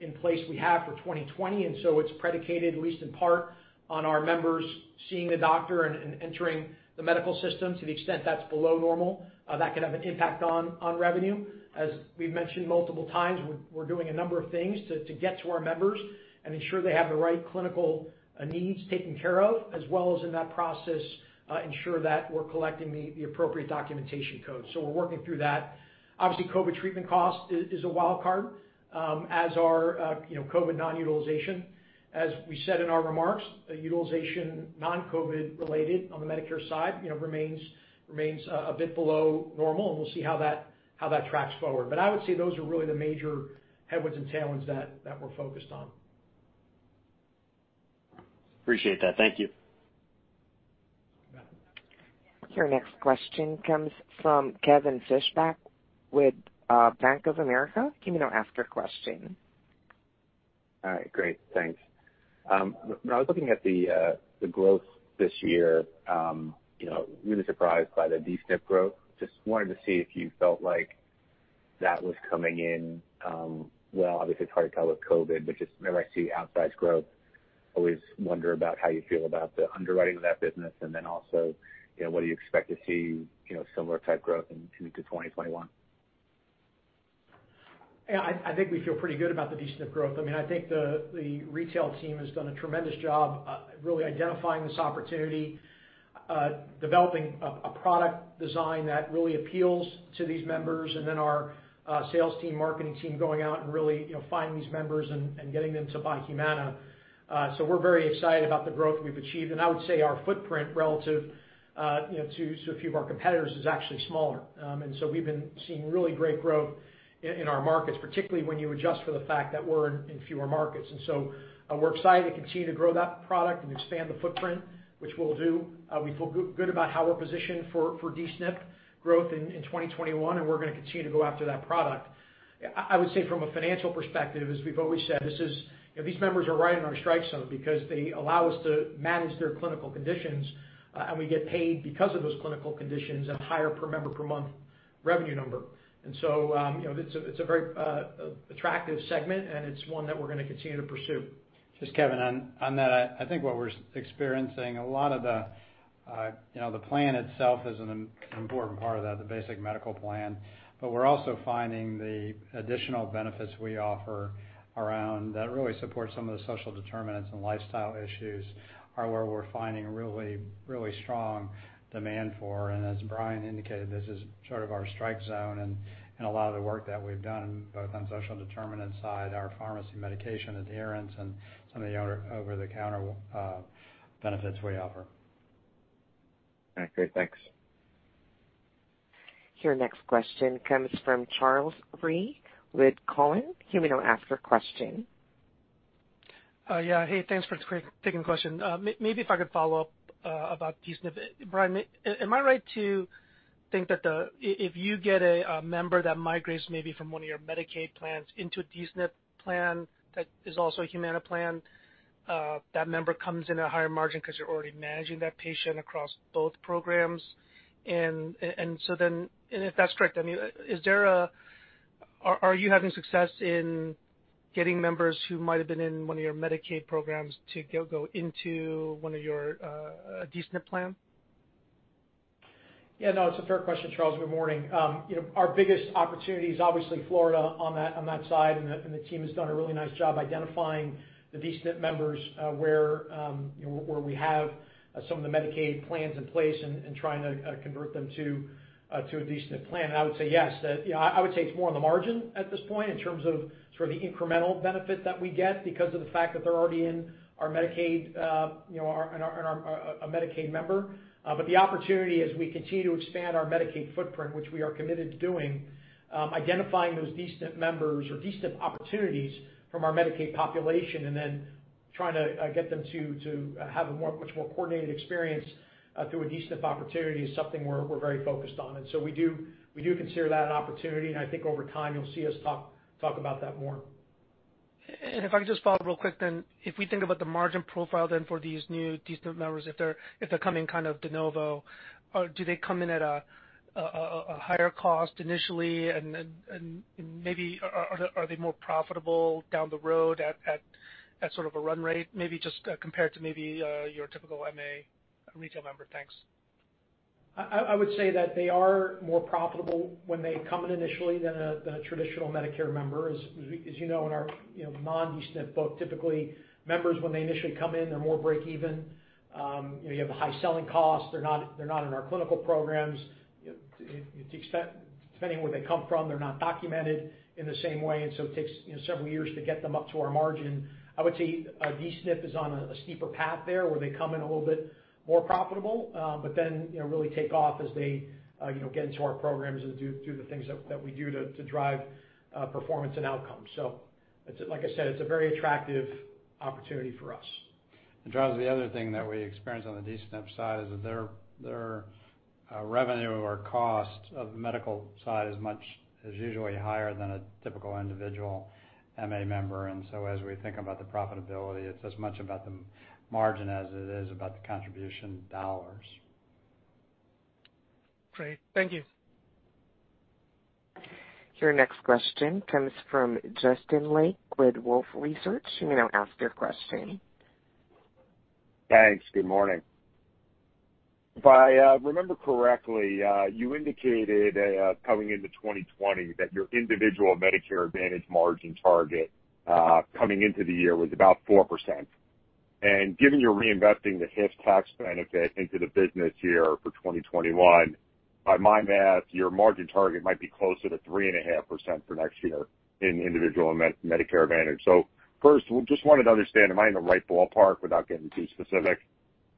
in place we have for 2020, it's predicated, at least in part, on our members seeing the doctor and entering the medical system. To the extent that's below normal, that could have an impact on revenue. As we've mentioned multiple times, we're doing a number of things to get to our members and ensure they have the right clinical needs taken care of, as well as in that process, ensure that we're collecting the appropriate documentation codes. We're working through that. Obviously, COVID treatment cost is a wild card, as are COVID non-utilization. As we said in our remarks, utilization non-COVID related on the Medicare side remains a bit below normal, and we'll see how that tracks forward. I would say those are really the major headwinds and tailwinds that we're focused on. Appreciate that. Thank you. You bet. Your next question comes from Kevin Fischbeck with Bank of America. You may now ask your question. All right. Great. Thanks. When I was looking at the growth this year, really surprised by the D-SNP growth. Just wanted to see if you felt like that was coming in well. Obviously, it's hard to tell with COVID, just whenever I see outsized growth, always wonder about how you feel about the underwriting of that business. What do you expect to see similar type growth into 2021? Yeah, I think we feel pretty good about the D-SNP growth. I think the retail team has done a tremendous job really identifying this opportunity, developing a product design that really appeals to these members, and then our sales team, marketing team going out and really finding these members and getting them to buy Humana. We're very excited about the growth we've achieved. I would say our footprint relative to a few of our competitors is actually smaller. We've been seeing really great growth in our markets, particularly when you adjust for the fact that we're in fewer markets. We're excited to continue to grow that product and expand the footprint, which we'll do. We feel good about how we're positioned for D-SNP growth in 2021, and we're going to continue to go after that product. I would say from a financial perspective, as we've always said, these members are right in our strike zone because they allow us to manage their clinical conditions, and we get paid because of those clinical conditions at a higher Per Member Per Month revenue number. It's a very attractive segment, and it's one that we're going to continue to pursue. Just Kevin, on that, I think what we're experiencing, a lot of the plan itself is an important part of that, the basic medical plan. We're also finding the additional benefits we offer around that really support some of the social determinants and lifestyle issues are where we're finding really strong demand for. As Brian indicated, this is sort of our strike zone and a lot of the work that we've done both on social determinants side, our pharmacy medication adherence, and some of the other over-the-counter benefits we offer. All right. Great. Thanks. Your next question comes from Charles Rhyee with Cowen. You may now ask your question. Yeah. Hey, thanks for taking the question. Maybe if I could follow up about D-SNP. Brian, am I right to think that if you get a member that migrates maybe from one of your Medicaid plans into a D-SNP plan that is also a Humana plan, that member comes in at a higher margin because you're already managing that patient across both programs? If that's correct, are you having success in getting members who might have been in one of your Medicaid programs to go into one of your D-SNP plan? Yeah, no, it's a fair question, Charles. Good morning. Our biggest opportunity is obviously Florida on that side, and the team has done a really nice job identifying the D-SNP members, where we have some of the Medicaid plans in place and trying to convert them to a D-SNP plan. I would say yes. I would say it's more on the margin at this point in terms of sort of the incremental benefit that we get because of the fact that they're already in our Medicaid, a Medicaid member. The opportunity as we continue to expand our Medicaid footprint, which we are committed to doing, identifying those D-SNP members or D-SNP opportunities from our Medicaid population, and then trying to get them to have a much more coordinated experience through a D-SNP opportunity is something we're very focused on. We do consider that an opportunity, and I think over time you'll see us talk about that more. If I could just follow up real quick then. If we think about the margin profile then for these new D-SNP members, if they're coming kind of de novo, do they come in at a higher cost initially, and maybe are they more profitable down the road at sort of a run rate, maybe just compared to maybe your typical MA retail member? Thanks. I would say that they are more profitable when they come in initially than a traditional Medicare member. As you know, in our non-D-SNP book, typically members, when they initially come in, they're more break even. You have a high selling cost. They're not in our clinical programs. Depending on where they come from, they're not documented in the same way, it takes several years to get them up to our margin. I would say a D-SNP is on a steeper path there, where they come in a little bit more profitable. Really take off as they get into our programs and do the things that we do to drive performance and outcomes. Like I said, it's a very attractive opportunity for us. Charles, the other thing that we experience on the D-SNP side is that their revenue or cost of the medical side is usually higher than a typical individual MA member. As we think about the profitability, it's as much about the margin as it is about the contribution dollars. Great. Thank you. Your next question comes from Justin Lake with Wolfe Research. You may now ask your question. Thanks. Good morning. If I remember correctly, you indicated coming into 2020 that your individual Medicare Advantage margin target coming into the year was about 4%. Given you're reinvesting the HIF tax benefit into the business year for 2021, by my math, your margin target might be closer to 3.5% for next year in individual Medicare Advantage. First, just wanted to understand, am I in the right ballpark without getting too specific?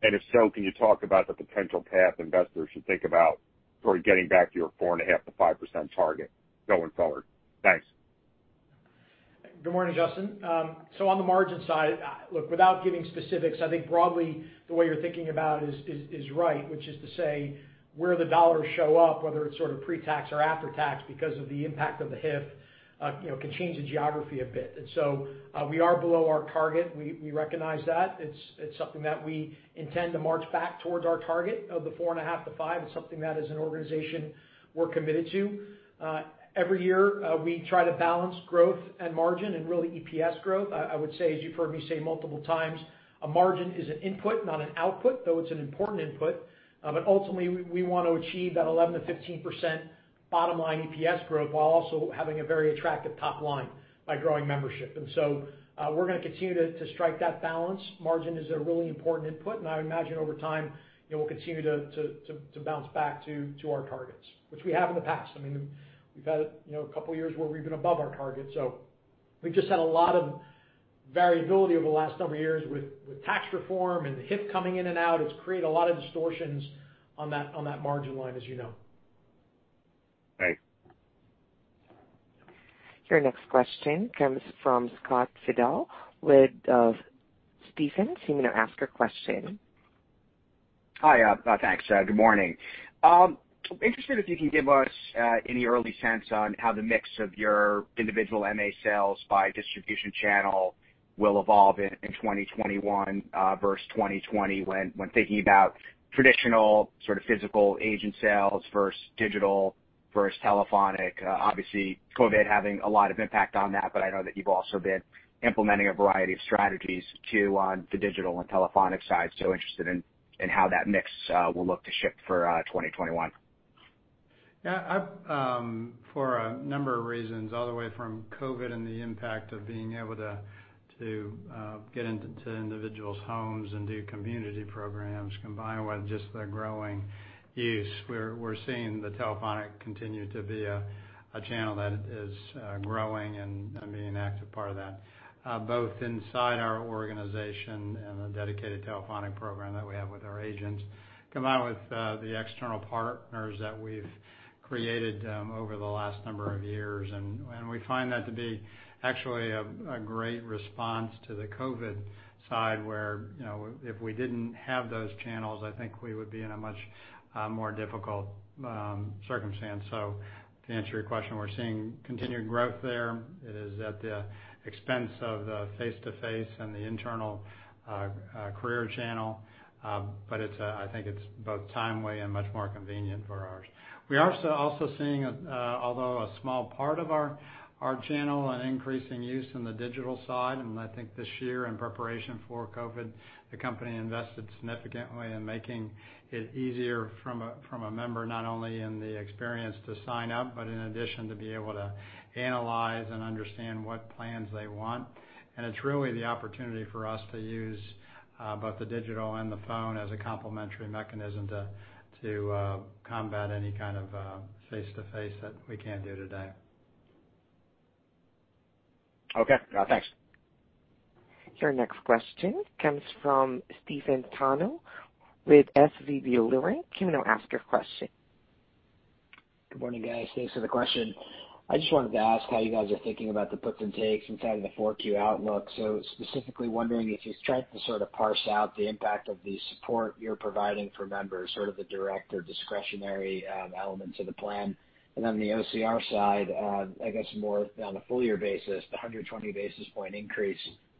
If so, can you talk about the potential path investors should think about sort of getting back to your 4.5%-5% target going forward? Thanks. Good morning, Justin. On the margin side, look, without giving specifics, I think broadly the way you're thinking about is right, which is to say, where the dollars show up, whether it's sort of pre-tax or after tax because of the impact of the HIF, can change the geography a bit. We are below our target. We recognize that. It's something that we intend to march back towards our target of the 4.5%-5%. It's something that as an organization we're committed to. Every year, we try to balance growth and margin and really EPS growth. I would say, as you've heard me say multiple times, a margin is an input, not an output, though it's an important input. Ultimately, we want to achieve that 11%-15% bottom-line EPS growth while also having a very attractive top line by growing membership. We're going to continue to strike that balance. Margin is a really important input, and I would imagine over time, we'll continue to bounce back to our targets, which we have in the past. We've had a couple of years where we've been above our target. We've just had a lot of variability over the last number of years with tax reform and the HIF coming in and out. It's created a lot of distortions on that margin line, as you know. Thanks. Your next question comes from Scott Fidel with Stephens. You may now ask your question. Hi. Thanks. Good morning. I'm interested if you can give us any early sense on how the mix of your individual MA sales by distribution channel will evolve in 2021 versus 2020 when thinking about traditional sort of physical agent sales versus digital versus telephonic. Obviously, COVID having a lot of impact on that, but I know that you've also been implementing a variety of strategies too on the digital and telephonic side, so interested in how that mix will look to shift for 2021. Yeah. For a number of reasons, all the way from COVID and the impact of being able to get into individuals' homes and do community programs, combined with just the growing use, we're seeing the telephonic continue to be a channel that is growing and being an active part of that, both inside our organization and the dedicated telephonic program that we have with our agents, combined with the external partners that we've created over the last number of years. We find that to be actually a great response to the COVID side, where if we didn't have those channels, I think we would be in a much more difficult circumstance. To answer your question, we're seeing continued growth there. It is at the expense of the face-to-face and the internal career channel. I think it's both timely and much more convenient for ours. We are also seeing, although a small part of our channel, an increasing use in the digital side. I think this year, in preparation for COVID-19, the company invested significantly in making it easier from a member, not only in the experience to sign up, but in addition, to be able to analyze and understand what plans they want. It's really the opportunity for us to use both the digital and the phone as a complementary mechanism to combat any kind of face-to-face that we can't do today. Okay. Thanks. Your next question comes from Stephen Tanal with SVB Leerink. You may now ask your question. Good morning, guys. Thanks for the question. I just wanted to ask how you guys are thinking about the puts and takes inside of the 4Q outlook. Specifically wondering if you've tried to sort of parse out the impact of the support you're providing for members, sort of the direct or discretionary elements of the plan. Then on the OCR side, I guess more on a full year basis, the 120 basis point increase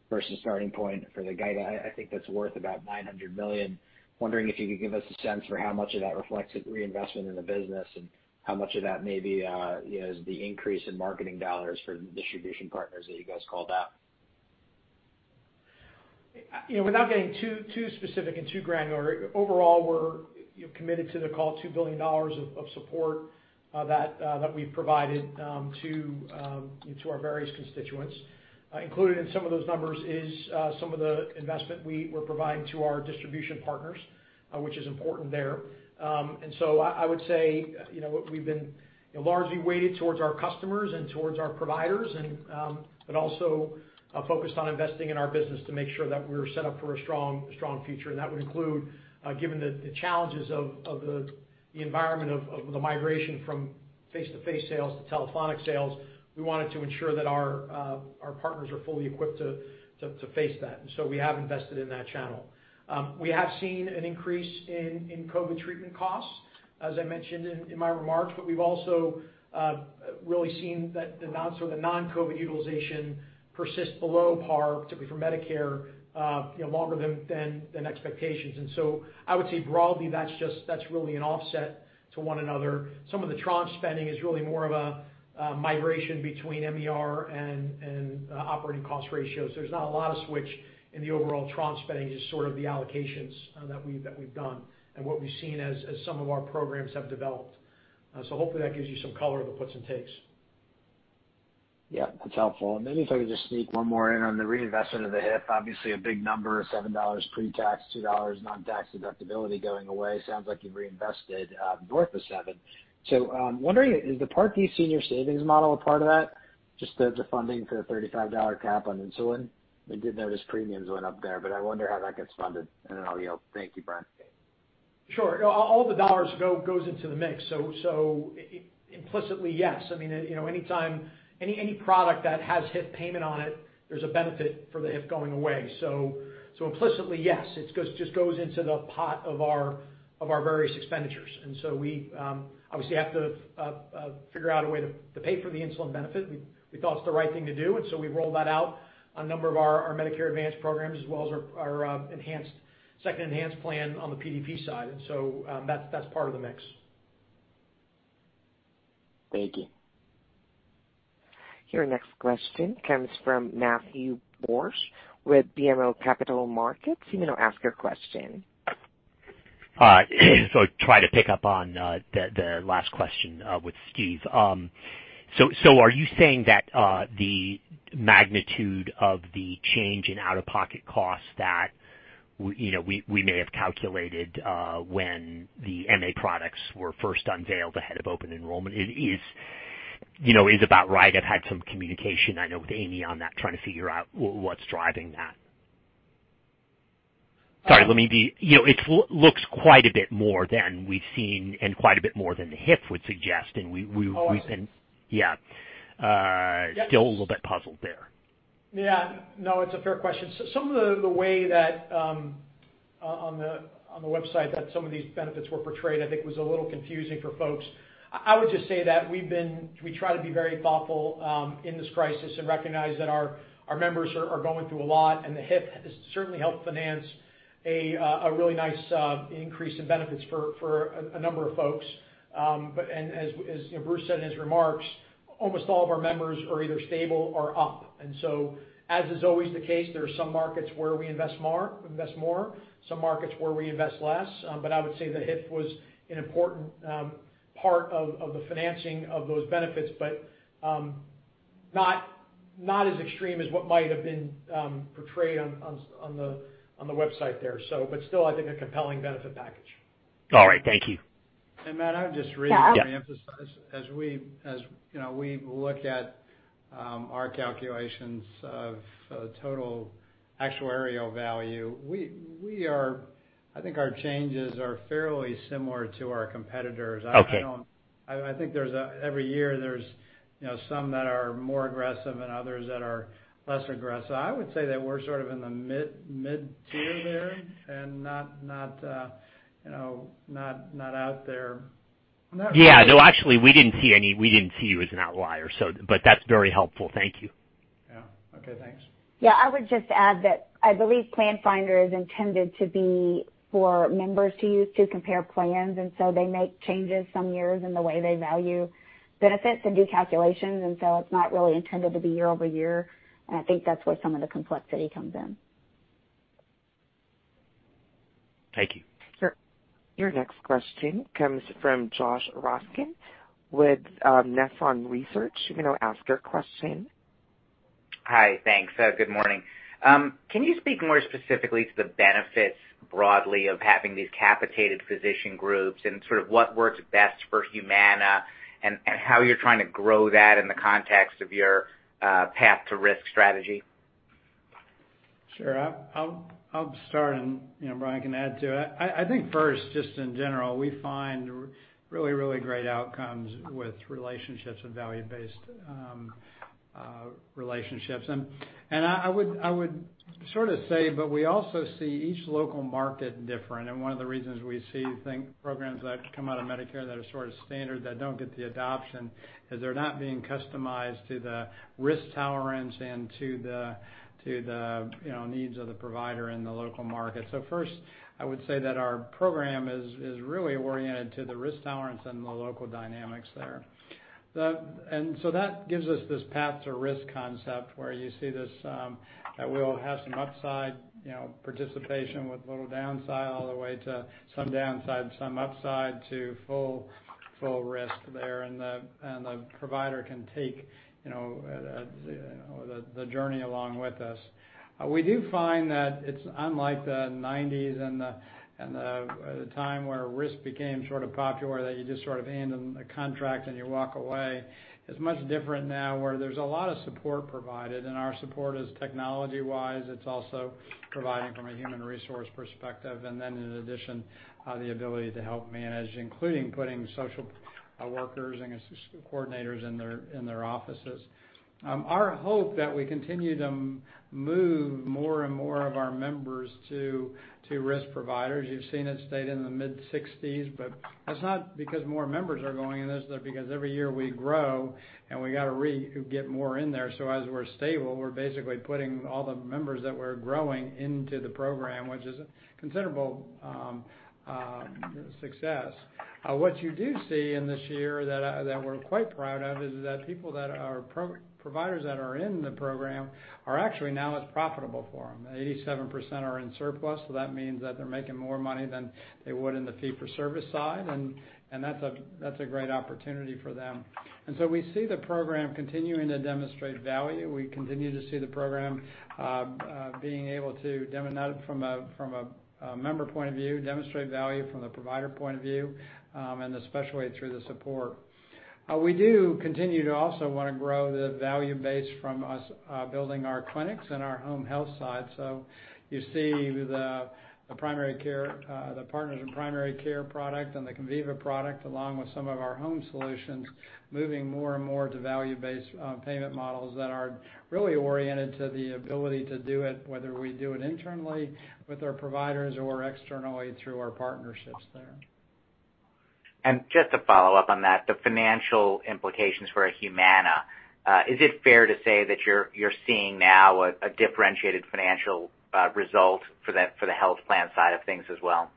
versus starting point for the guide. I think that's worth about $900 million. Wondering if you could give us a sense for how much of that reflects reinvestment in the business, and how much of that may be the increase in marketing dollars for distribution partners that you guys called out. Without getting too specific and too granular, overall, we're committed to the $2 billion of support that we've provided to our various constituents. Included in some of those numbers is some of the investment we're providing to our distribution partners, which is important there. I would say, we've been largely weighted towards our customers and towards our providers but also focused on investing in our business to make sure that we're set up for a strong future. That would include, given the challenges of the environment of the migration from face-to-face sales to telephonic sales, we wanted to ensure that our partners are fully equipped to face that. We have invested in that channel. We have seen an increase in COVID treatment costs, as I mentioned in my remarks, but we've also really seen that the non-COVID utilization persists below par, particularly for Medicare, longer than expectations. I would say broadly, that's really an offset to one another. Some of the tranche spending is really more of a migration between MER and Operating Cost Ratios. There's not a lot of switch in the overall tranche spending, just sort of the allocations that we've done and what we've seen as some of our programs have developed. Hopefully that gives you some color of the puts and takes. Yeah, that's helpful. If I could just sneak one more in on the reinvestment of the HIF. Obviously, a big number, $7 pre-tax, $2 non-tax deductibility going away. Sounds like you've reinvested north of $7. Wondering, is the Part D Senior Savings Model a part of that? Just the funding for the $35 cap on insulin? I did notice premiums went up there, I wonder how that gets funded. Then I'll yield. Thank you, Brian. Sure. All the dollars goes into the mix. Implicitly, yes. Any product that has HIF payment on it, there's a benefit for the HIF going away. Implicitly, yes, it just goes into the pot of our various expenditures. We obviously have to figure out a way to pay for the insulin benefit. We thought it's the right thing to do, we've rolled that out a number of our Medicare Advantage programs as well as our second enhanced plan on the PDP side. That's part of the mix. Thank you. Your next question comes from Matthew Borsch with BMO Capital Markets. You may now ask your question. Try to pick up on the last question with Steve. Are you saying that the magnitude of the change in out-of-pocket costs that we may have calculated when the MA products were first unveiled ahead of open enrollment is about right? I've had some communication, I know, with Amy on that, trying to figure out what's driving that. It looks quite a bit more than we've seen and quite a bit more than the HIF would suggest. Oh, I see. Yeah. Yeah. Still a little bit puzzled there. Yeah. No, it's a fair question. Some of the way that, on the website, that some of these benefits were portrayed, I think was a little confusing for folks. I would just say that we try to be very thoughtful in this crisis and recognize that our members are going through a lot, and the HIF has certainly helped finance a really nice increase in benefits for a number of folks. As Bruce said in his remarks, almost all of our members are either stable or up. As is always the case, there are some markets where we invest more, some markets where we invest less. I would say the HIF was an important part of the financing of those benefits. Not as extreme as what might have been portrayed on the website there. Still, I think a compelling benefit package. All right. Thank you. Matt. Yeah. Re-emphasize. As we look at our calculations of total actuarial value, I think our changes are fairly similar to our competitors. Okay. Every year, there's some that are more aggressive and others that are less aggressive. I would say that we're sort of in the mid-tier there and not out there. Yeah. No, actually, we didn't see you as an outlier. That's very helpful. Thank you. Yeah. Okay, thanks. Yeah. I would just add that I believe Plan Finder is intended to be for members to use to compare plans. They make changes some years in the way they value benefits and do calculations. It's not really intended to be year-over-year. I think that's where some of the complexity comes in. Thank you. Sure. Your next question comes from Joshua Raskin with Nephron Research. You may now ask your question. Hi. Thanks. Good morning. Can you speak more specifically to the benefits broadly of having these capitated physician groups and sort of what works best for Humana and how you're trying to grow that in the context of your path to risk strategy? Sure. I'll start and Brian can add to it. I think first, just in general, we find really great outcomes with relationships and value-based relationships. I would sort of say, but we also see each local market different, and one of the reasons we see programs that come out of Medicare that are sort of standard, that don't get the adoption, is they're not being customized to the risk tolerance and to the needs of the provider in the local market. First, I would say that our program is really oriented to the risk tolerance and the local dynamics there. That gives us this path to risk concept where you see this, that we'll have some upside participation with little downside, all the way to some downside, some upside to full risk there, and the provider can take the journey along with us. We do find that it's unlike the 1990s and the time where risk became sort of popular, that you just sort of hand them the contract and you walk away. It's much different now where there's a lot of support provided, and our support is technology-wise. It's also providing from a human resource perspective. In addition, the ability to help manage, including putting social workers and case coordinators in their offices. Our hope that we continue to move more and more of our members to risk providers. You've seen it stayed in the mid-60s, but that's not because more members are going in this, but because every year we grow and we got to get more in there. As we're stable, we're basically putting all the members that we're growing into the program, which is a considerable success. What you do see in this year that we're quite proud of is that providers that are in the program are actually now it's profitable for them. 87% are in surplus, so that means that they're making more money than they would in the fee for service side, and that's a great opportunity for them. We see the program continuing to demonstrate value. We continue to see the program being able to, from a member point of view, demonstrate value from the provider point of view, and especially through the support. We do continue to also want to grow the value base from us building our clinics and our home health side. You see the Partners in Primary Care product and the Conviva product, along with some of our home solutions, moving more and more to value-based payment models that are really oriented to the ability to do it, whether we do it internally with our providers or externally through our partnerships there. Just to follow up on that, the financial implications for Humana, is it fair to say that you're seeing now a differentiated financial result for the health plan side of things as well?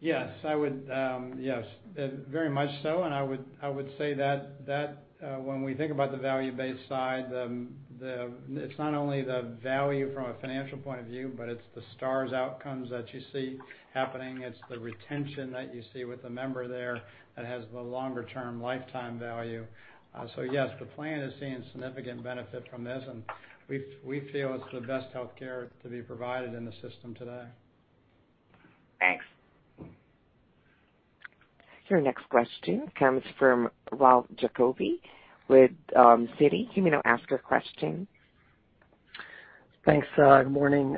Yes, very much so. I would say that when we think about the value-based side, it's not only the value from a financial point of view, but it's the Stars outcomes that you see happening. It's the retention that you see with the member there that has the longer-term lifetime value. Yes, the plan is seeing significant benefit from this, and we feel it's the best healthcare to be provided in the system today. Thanks. Your next question comes from Ralph Giacobbe with Citi. You may now ask your question. Thanks. Good morning.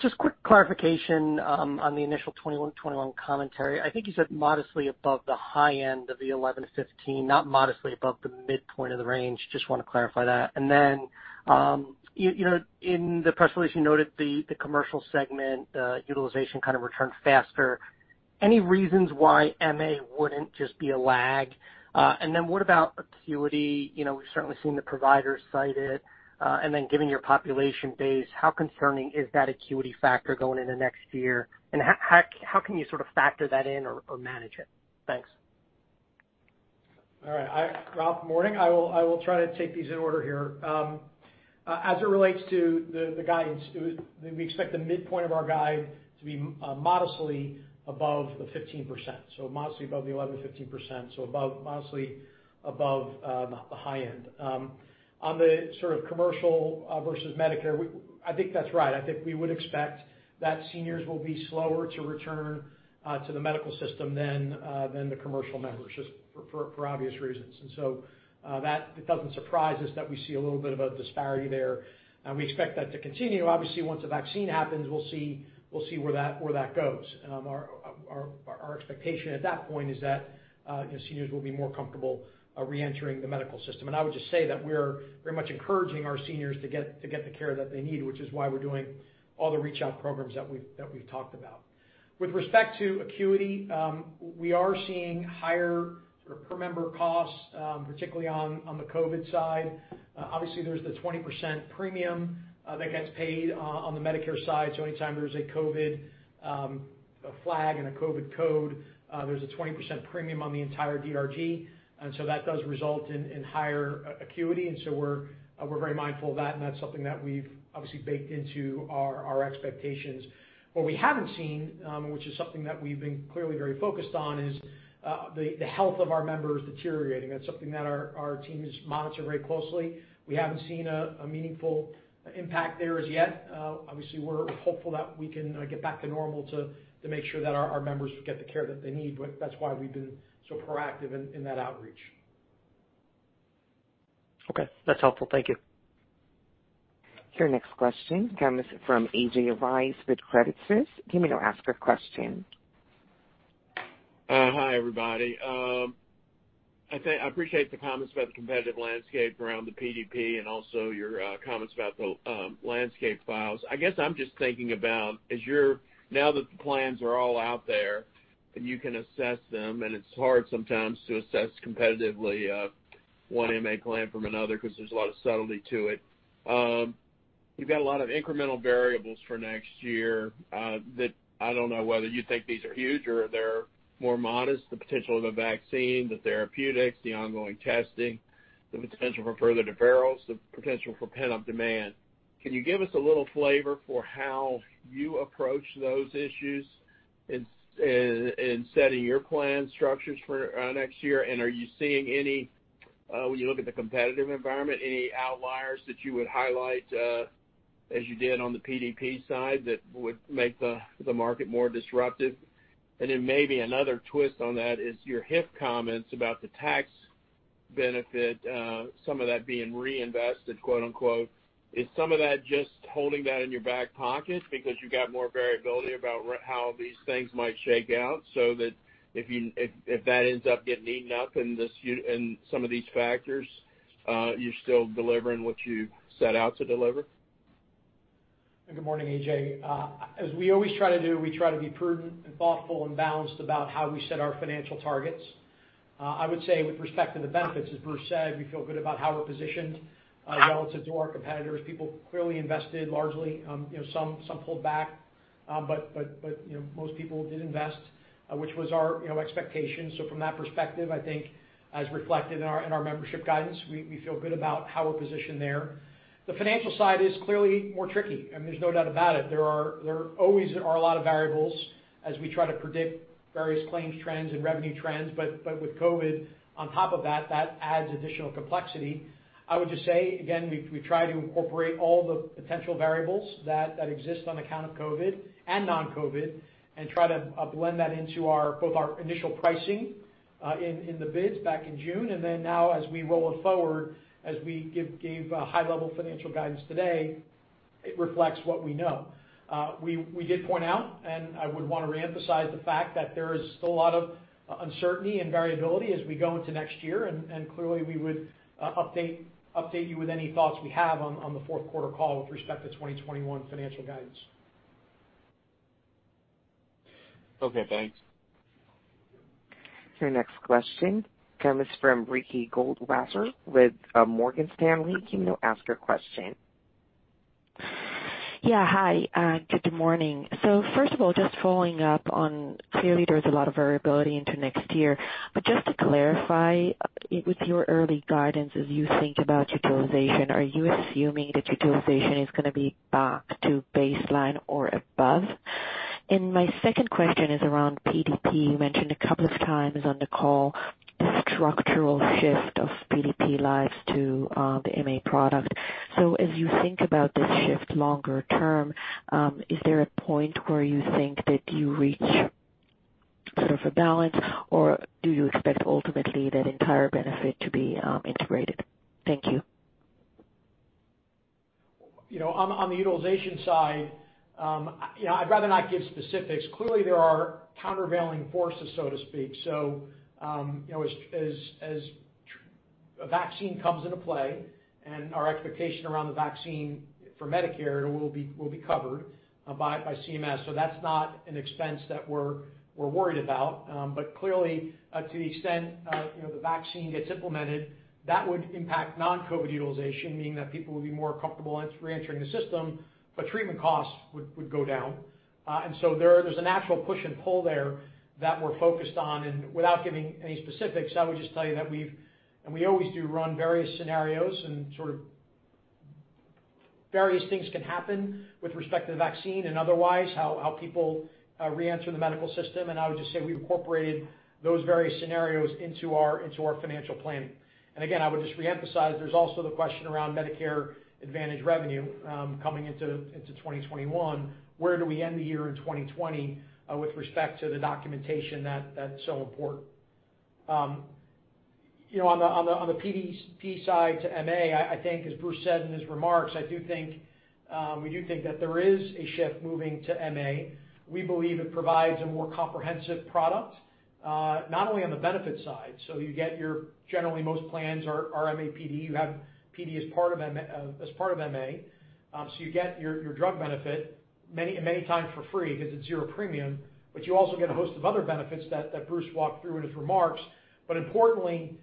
Just quick clarification on the initial 2021 commentary. I think you said modestly above the high end of the 11%-15%, not modestly above the midpoint of the range. Just want to clarify that. Then, in the press release, you noted the Commercial segment, utilization kind of returned faster. Any reasons why MA wouldn't just be a lag? Then what about acuity? We've certainly seen the providers cite it. Then given your population base, how concerning is that acuity factor going into next year, and how can you sort of factor that in or manage it? Thanks. All right. Ralph, morning. I will try to take these in order here. As it relates to the guidance, we expect the midpoint of our guide to be modestly above the 15%. Modestly above the 11%-15%, modestly above the high end. On the sort of Commercial versus Medicare, I think that's right. I think we would expect that seniors will be slower to return to the medical system than the Commercial members, just for obvious reasons. It doesn't surprise us that we see a little bit of a disparity there, and we expect that to continue. Obviously, once a vaccine happens, we'll see where that goes. Our expectation at that point is that seniors will be more comfortable reentering the medical system. I would just say that we're very much encouraging our seniors to get the care that they need, which is why we're doing all the reach-out programs that we've talked about. With respect to acuity, we are seeing higher sort of per member costs, particularly on the COVID-19 side. Obviously, there's the 20% premium that gets paid on the Medicare side. Anytime there's a COVID-19 flag and a COVID-19 code, there's a 20% premium on the entire DRG. That does result in higher acuity, and so we're very mindful of that, and that's something that we've obviously baked into our expectations. What we haven't seen, which is something that we've been clearly very focused on, is the health of our members deteriorating. That's something that our team is monitoring very closely. We haven't seen a meaningful impact there as yet. Obviously, we're hopeful that we can get back to normal to make sure that our members get the care that they need, but that's why we've been so proactive in that outreach. Okay. That's helpful. Thank you. Your next question comes from A.J. Rice with Credit Suisse. You may now ask your question. Hi, everybody. I appreciate the comments about the competitive landscape around the PDP and also your comments about the landscape files. I guess I'm just thinking about, now that the plans are all out there and you can assess them, and it's hard sometimes to assess competitively one MA plan from another because there's a lot of subtlety to it. You've got a lot of incremental variables for next year, that I don't know whether you think these are huge or they're more modest, the potential of a vaccine, the therapeutics, the ongoing testing, the potential for further deferrals, the potential for pent-up demand. Can you give us a little flavor for how you approach those issues in setting your plan structures for next year? Are you seeing any, when you look at the competitive environment, any outliers that you would highlight, as you did on the PDP side, that would make the market more disruptive? Maybe another twist on that is your HIF comments about the tax benefit, some of that being "reinvested," quote, unquote. Is some of that just holding that in your back pocket because you've got more variability about how these things might shake out, so that if that ends up getting eaten up in some of these factors, you're still delivering what you set out to deliver? Good morning, A.J. As we always try to do, we try to be prudent and thoughtful and balanced about how we set our financial targets. I would say with respect to the benefits, as Bruce said, we feel good about how we're positioned relative to our competitors. People clearly invested largely, some pulled back. Most people did invest, which was our expectation. From that perspective, I think as reflected in our membership guidance, we feel good about how we're positioned there. The financial side is clearly more tricky, and there's no doubt about it. There always are a lot of variables as we try to predict various claims trends and revenue trends. With COVID on top of that adds additional complexity. I would just say, again, we try to incorporate all the potential variables that exist on account of COVID and non-COVID and try to blend that into both our initial pricing in the bids back in June. Now as we roll it forward, as we gave high-level financial guidance today, it reflects what we know. We did point out, and I would want to reemphasize the fact that there is still a lot of uncertainty and variability as we go into next year, and clearly, we would update you with any thoughts we have on the fourth quarter call with respect to 2021 financial guidance. Okay, thanks. Your next question comes from Ricky Goldwasser with Morgan Stanley. You may now ask your question. Yeah, hi. Good morning. First of all, just following up on, clearly, there's a lot of variability into next year. Just to clarify, with your early guidance as you think about utilization, are you assuming that utilization is going to be back to baseline or above? My second question is around PDP. You mentioned a couple of times on the call the structural shift of PDP lives to the MA product. As you think about this shift longer term, is there a point where you think that you reach sort of a balance, or do you expect ultimately that entire benefit to be integrated? Thank you. On the utilization side, I'd rather not give specifics. Clearly, there are countervailing forces, so to speak. As a vaccine comes into play, and our expectation around the vaccine for Medicare, it will be covered by CMS. That's not an expense that we're worried about. Clearly, to the extent the vaccine gets implemented, that would impact non-COVID utilization, meaning that people will be more comfortable reentering the system, but treatment costs would go down. There's a natural push and pull there that we're focused on. Without giving any specifics, I would just tell you that we've, and we always do run various scenarios, and various things can happen with respect to the vaccine and otherwise, how people re-enter the medical system. I would just say we've incorporated those various scenarios into our financial planning. Again, I would just reemphasize, there's also the question around Medicare Advantage revenue coming into 2021. Where do we end the year in 2020 with respect to the documentation that's so important? On the PDP side to MA, I think as Bruce said in his remarks, we do think that there is a shift moving to MA. We believe it provides a more comprehensive product, not only on the benefit side. You get your generally, most plans are MAPD. You have PD as part of MA. You get your drug benefit many times for free because it's zero premium, but you also get a host of other benefits that Bruce walked through in his remarks. Importantly,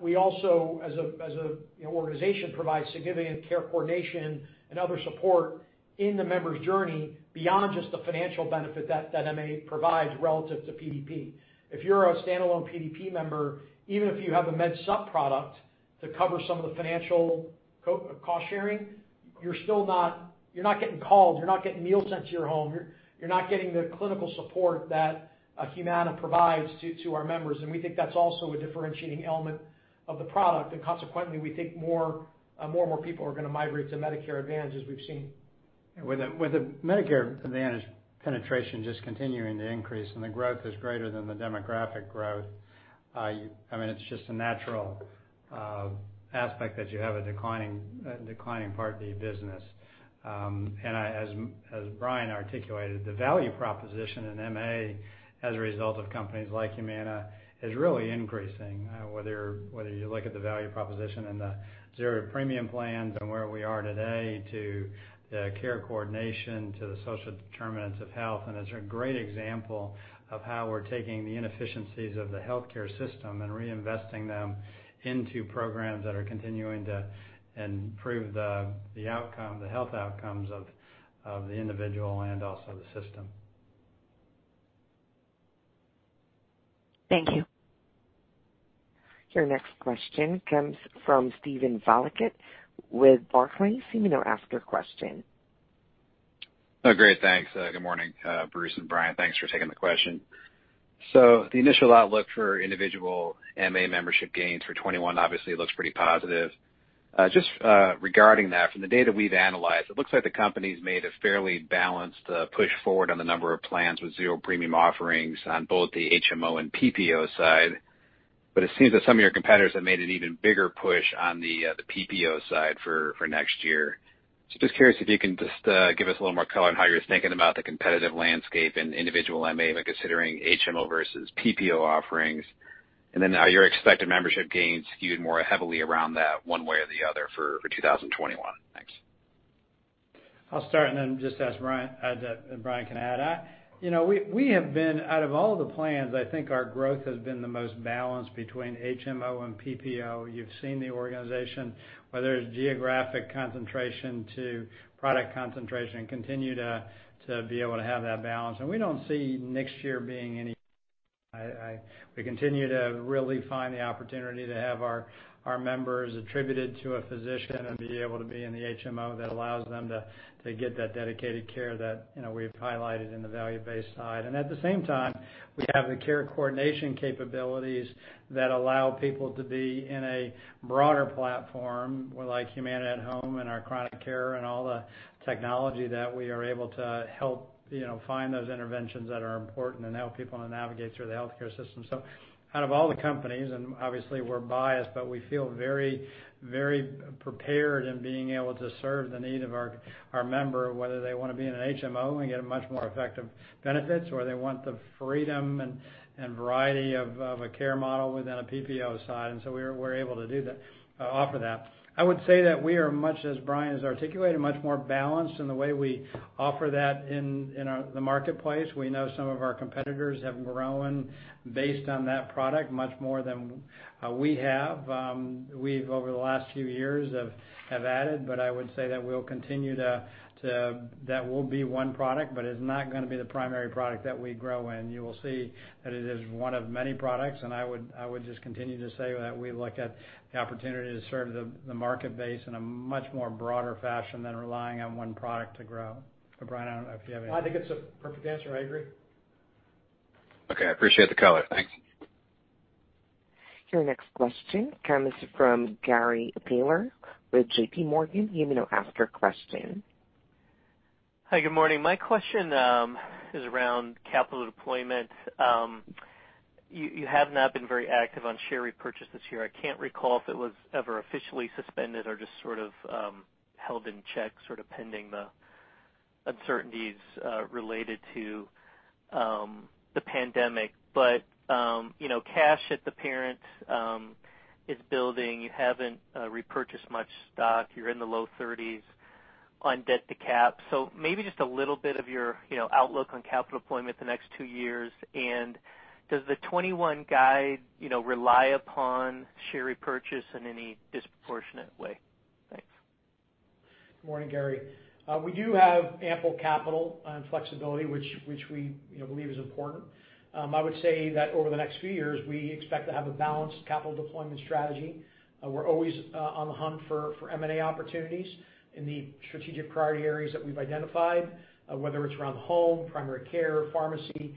we also as an organization, provide significant care coordination and other support in the member's journey beyond just the financial benefit that MA provides relative to PDP. If you're a standalone PDP member, even if you have a Med Supp product to cover some of the financial cost sharing, you're not getting called, you're not getting meals sent to your home, you're not getting the clinical support that Humana provides to our members. We think that's also a differentiating element of the product, and consequently, we think more and more people are going to migrate to Medicare Advantage, as we've seen. With the Medicare Advantage penetration just continuing to increase and the growth is greater than the demographic growth, it's just a natural aspect that you have a declining Part D business. As Brian articulated, the value proposition in MA as a result of companies like Humana is really increasing. Whether you look at the value proposition in the zero premium plans and where we are today to the care coordination to the social determinants of health, and it's a great example of how we're taking the inefficiencies of the healthcare system and reinvesting them into programs that are continuing to improve the health outcomes of the individual and also the system. Thank you. Your next question comes from Steven Valiquette with Barclays. You may now ask your question. Great. Thanks. Good morning, Bruce and Brian. Thanks for taking the question. The initial outlook for individual MA membership gains for 2021 obviously looks pretty positive. Just regarding that, from the data we've analyzed, it looks like the company's made a fairly balanced push forward on the number of plans with zero premium offerings on both the HMO and PPO side. It seems that some of your competitors have made an even bigger push on the PPO side for next year. Just curious if you can just give us a little more color on how you're thinking about the competitive landscape in individual MA, like considering HMO versus PPO offerings, and then are your expected membership gains skewed more heavily around that one way or the other for 2021? Thanks. I'll start and then just ask Brian, and Brian can add. We have been out of all the plans, I think our growth has been the most balanced between HMO and PPO. You've seen the organization, whether it's geographic concentration to product concentration, continue to be able to have that balance. We don't see next year being any. We continue to really find the opportunity to have our members attributed to a physician and be able to be in the HMO that allows them to get that dedicated care that we've highlighted in the value-based side. At the same time, we have the care coordination capabilities that allow people to be in a broader platform like Humana At Home and our chronic care and all the technology that we are able to help find those interventions that are important and help people navigate through the healthcare system. Out of all the companies, and obviously we're biased, but we feel very prepared in being able to serve the need of our member, whether they want to be in an HMO and get much more effective benefits or they want the freedom and variety of a care model within a PPO side. We're able to offer that. I would say that we are, much as Brian has articulated, much more balanced in the way we offer that in the marketplace. We know some of our competitors have grown based on that product much more than we have. We've, over the last few years, have added, but I would say that that will be one product, but it's not going to be the primary product that we grow in. You will see that it is one of many products. I would just continue to say that we look at the opportunity to serve the market base in a much more broader fashion than relying on one product to grow. Brian, I don't know if you have anything. I think it's a perfect answer. I agree. Okay. I appreciate the color. Thanks. Your next question comes from Gary Taylor with JPMorgan. You may now ask your question. Hi, good morning. My question is around capital deployment. You have not been very active on share repurchase this year. I can't recall if it was ever officially suspended or just sort of held in check, sort of pending the uncertainties related to the pandemic. Cash at the parent is building. You haven't repurchased much stock. You're in the low 30%s on debt to cap. Maybe just a little bit of your outlook on capital deployment the next two years, and does the 2021 guide rely upon share repurchase in any disproportionate way? Thanks. Good morning, Gary. We do have ample capital and flexibility, which we believe is important. I would say that over the next few years, we expect to have a balanced capital deployment strategy. We're always on the hunt for M&A opportunities in the strategic priority areas that we've identified, whether it's around the home, primary care, pharmacy.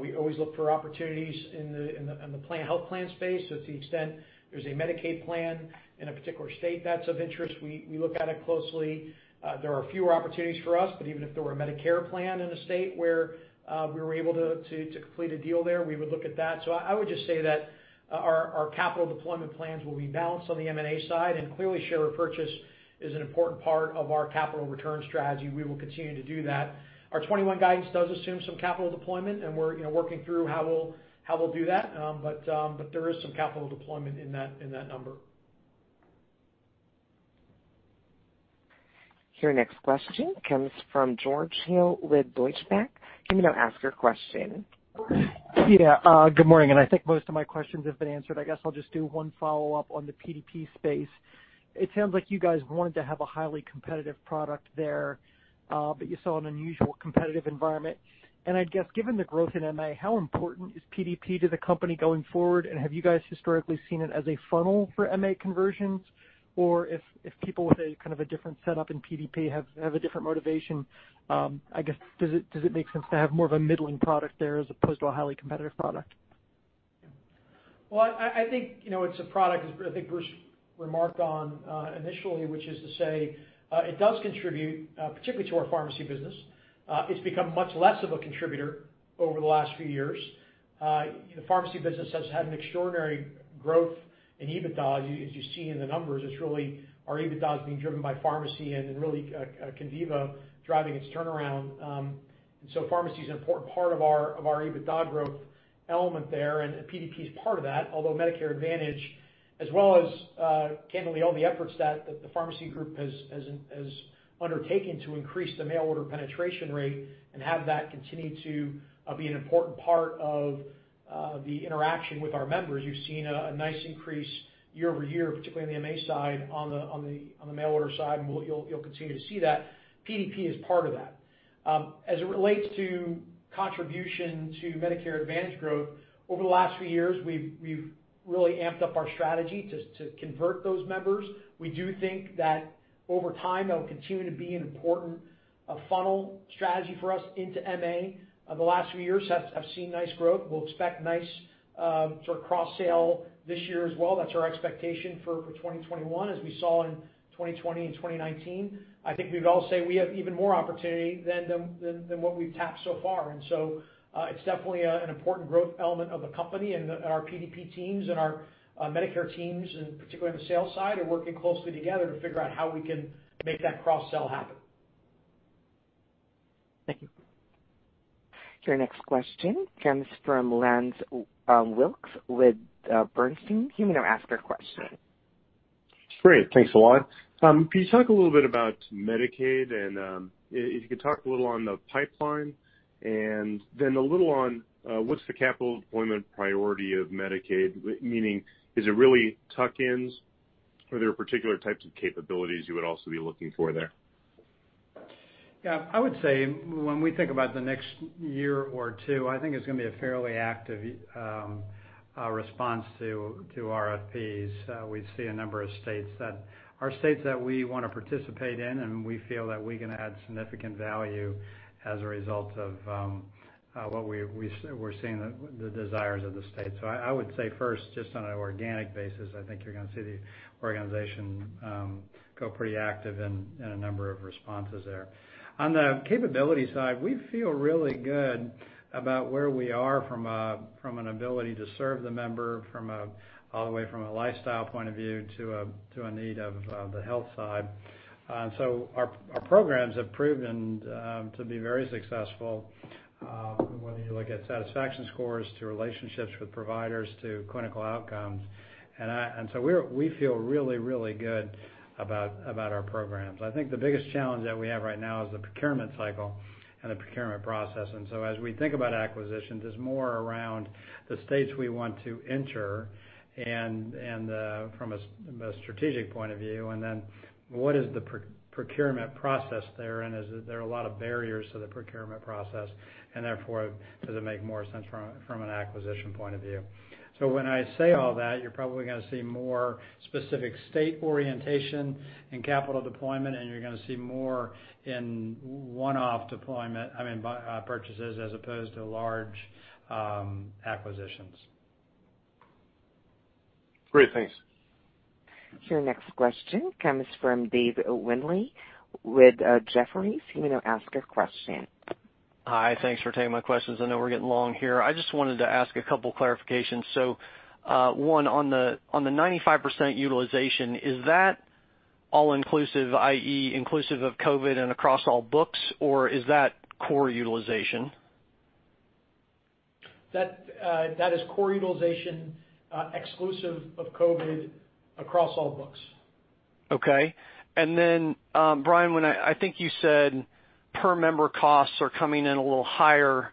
We always look for opportunities in the health plan space. To the extent there's a Medicaid plan in a particular state that's of interest, we look at it closely. There are fewer opportunities for us, even if there were a Medicare plan in a state where we were able to complete a deal there, we would look at that. I would just say that our capital deployment plans will be balanced on the M&A side, clearly share repurchase is an important part of our capital return strategy. We will continue to do that. Our 2021 guidance does assume some capital deployment, and we're working through how we'll do that. There is some capital deployment in that number. Your next question comes from George Hill with Deutsche Bank. Good morning, I think most of my questions have been answered. I guess I'll just do one follow-up on the PDP space. It sounds like you guys wanted to have a highly competitive product there, but you saw an unusual competitive environment. I'd guess, given the growth in MA, how important is PDP to the company going forward? If people with a different setup in PDP have a different motivation, I guess does it make sense to have more of a middling product there as opposed to a highly competitive product? I think it's a product, as I think Bruce remarked on initially, which is to say it does contribute particularly to our pharmacy business. It's become much less of a contributor over the last few years. The pharmacy business has had an extraordinary growth in EBITDA, as you see in the numbers. Our EBITDA is being driven by pharmacy and really Conviva driving its turnaround. Pharmacy's an important part of our EBITDA growth element there, and PDP's part of that. Although Medicare Advantage as well as candidly all the efforts that the pharmacy group has undertaken to increase the mail order penetration rate and have that continue to be an important part of the interaction with our members. You've seen a nice increase year-over-year, particularly on the MA side, on the mail-order side, and you'll continue to see that. PDP is part of that. As it relates to contribution to Medicare Advantage growth, over the last few years, we've really amped up our strategy to convert those members. We do think that over time, that will continue to be an important funnel strategy for us into MA. The last few years have seen nice growth. We'll expect nice sort of cross-sale this year as well. That's our expectation for 2021, as we saw in 2020 and 2019. I think we'd all say we have even more opportunity than what we've tapped so far. It's definitely an important growth element of the company, and our PDP teams and our Medicare teams, and particularly on the sales side, are working closely together to figure out how we can make that cross-sell happen. Thank you. Your next question comes from Lance Wilkes with Bernstein. You may now ask your question. Great. Thanks a lot. Can you talk a little bit about Medicaid and if you could talk a little on the pipeline, and then a little on what's the capital deployment priority of Medicaid? Meaning, is it really tuck-ins? Are there particular types of capabilities you would also be looking for there? Yeah, I would say when we think about the next year or two, I think it's going to be a fairly active response to RFPs. We see a number of states that are states that we want to participate in, we feel that we can add significant value as a result of what we're seeing the desires of the state. I would say first, just on an organic basis, I think you're going to see the organization go pretty active in a number of responses there. On the capability side, we feel really good about where we are from an ability to serve the member all the way from a lifestyle point of view to a need of the health side. Our programs have proven to be very successful, whether you look at satisfaction scores to relationships with providers to clinical outcomes. We feel really, really good about our programs. I think the biggest challenge that we have right now is the procurement cycle and the procurement process. As we think about acquisitions, it's more around the states we want to enter and from a strategic point of view, and then what is the procurement process there, and is there are a lot of barriers to the procurement process, and therefore, does it make more sense from an acquisition point of view. When I say all that, you're probably going to see more specific state orientation in capital deployment, and you're going to see more in one-off purchases as opposed to large acquisitions. Great. Thanks. Your next question comes from Dave Windley with Jefferies. You may now ask your question. Hi. Thanks for taking my questions. I know we're getting long here. I just wanted to ask a couple clarifications. One on the 95% utilization, is that all-inclusive, i.e., inclusive of COVID and across all books, or is that core utilization? That is core utilization, exclusive of COVID across all books. Okay. Brian, I think you said per member costs are coming in a little higher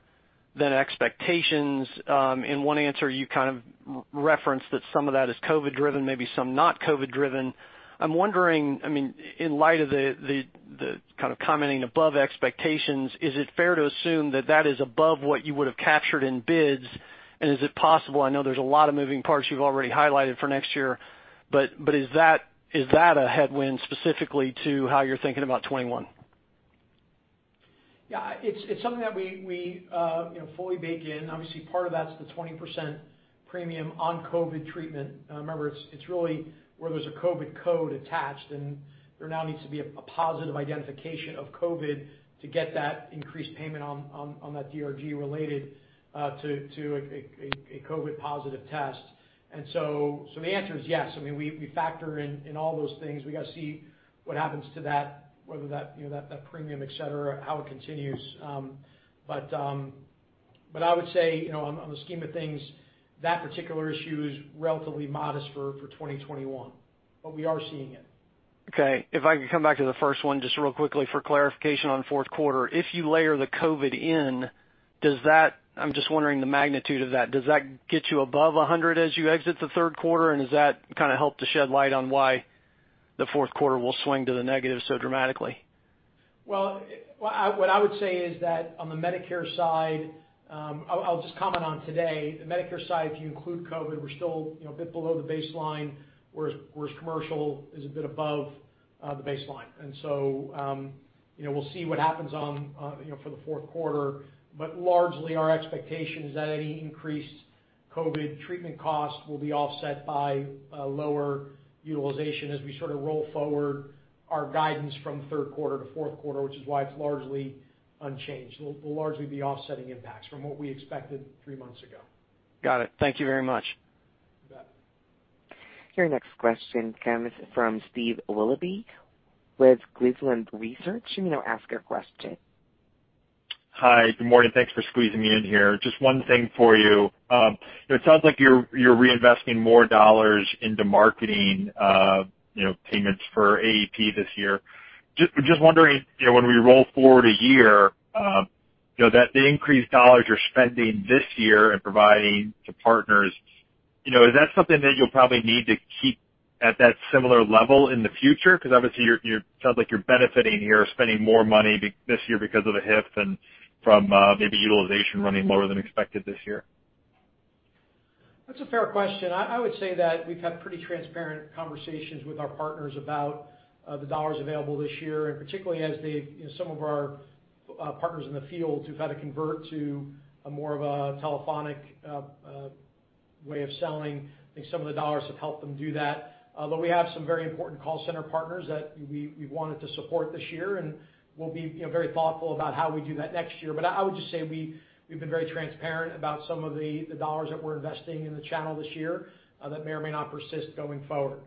than expectations. In one answer, you kind of referenced that some of that is COVID-driven, maybe some not COVID-driven. I'm wondering, in light of the kind of commenting above expectations, is it fair to assume that that is above what you would've captured in bids? Is it possible, I know there's a lot of moving parts you've already highlighted for next year, but is that a headwind specifically to how you're thinking about 2021? Yeah. It's something that we fully bake in. Obviously, part of that's the 20% premium on COVID treatment. Remember, it's really where there's a COVID code attached, and there now needs to be a positive identification of COVID to get that increased payment on that DRG related to a COVID positive test. The answer is yes. We factor in all those things. We got to see what happens to that, whether that premium, et cetera, how it continues. I would say, on the scheme of things, that particular issue is relatively modest for 2021, but we are seeing it. Okay. If I could come back to the first one, just real quickly for clarification on fourth quarter. If you layer the COVID-19 in, I'm just wondering the magnitude of that. Does that get you above 100% as you exit the third quarter, and does that kind of help to shed light on why the fourth quarter will swing to the negative so dramatically? Well, what I would say is that on the Medicare side, I'll just comment on today. The Medicare side, if you include COVID, we're still a bit below the baseline, whereas commercial is a bit above the baseline. We'll see what happens for the fourth quarter. Largely, our expectation is that any increased COVID treatment costs will be offset by lower utilization as we sort of roll forward our guidance from third quarter to fourth quarter, which is why it's largely unchanged. Will largely be offsetting impacts from what we expected three months ago. Got it. Thank you very much. You bet. Your next question comes from Steve Willoughby with Cleveland Research Company. Hi. Good morning. Thanks for squeezing me in here. Just one thing for you. It sounds like you're reinvesting more dollars into marketing payments for AEP this year. Just wondering, when we roll forward a year, the increased dollars you're spending this year and providing to partners, is that something that you'll probably need to keep at that similar level in the future? Obviously, it sounds like you're benefiting here, spending more money this year because of the HIF and from maybe utilization running lower than expected this year. That's a fair question. I would say that we've had pretty transparent conversations with our partners about the dollars available this year. Particularly as some of our partners in the field who've had to convert to a more of a telephonic way of selling, I think some of the dollars have helped them do that. Although we have some very important call center partners that we wanted to support this year, and we'll be very thoughtful about how we do that next year. I would just say we've been very transparent about some of the dollars that we're investing in the channel this year that may or may not persist going forward.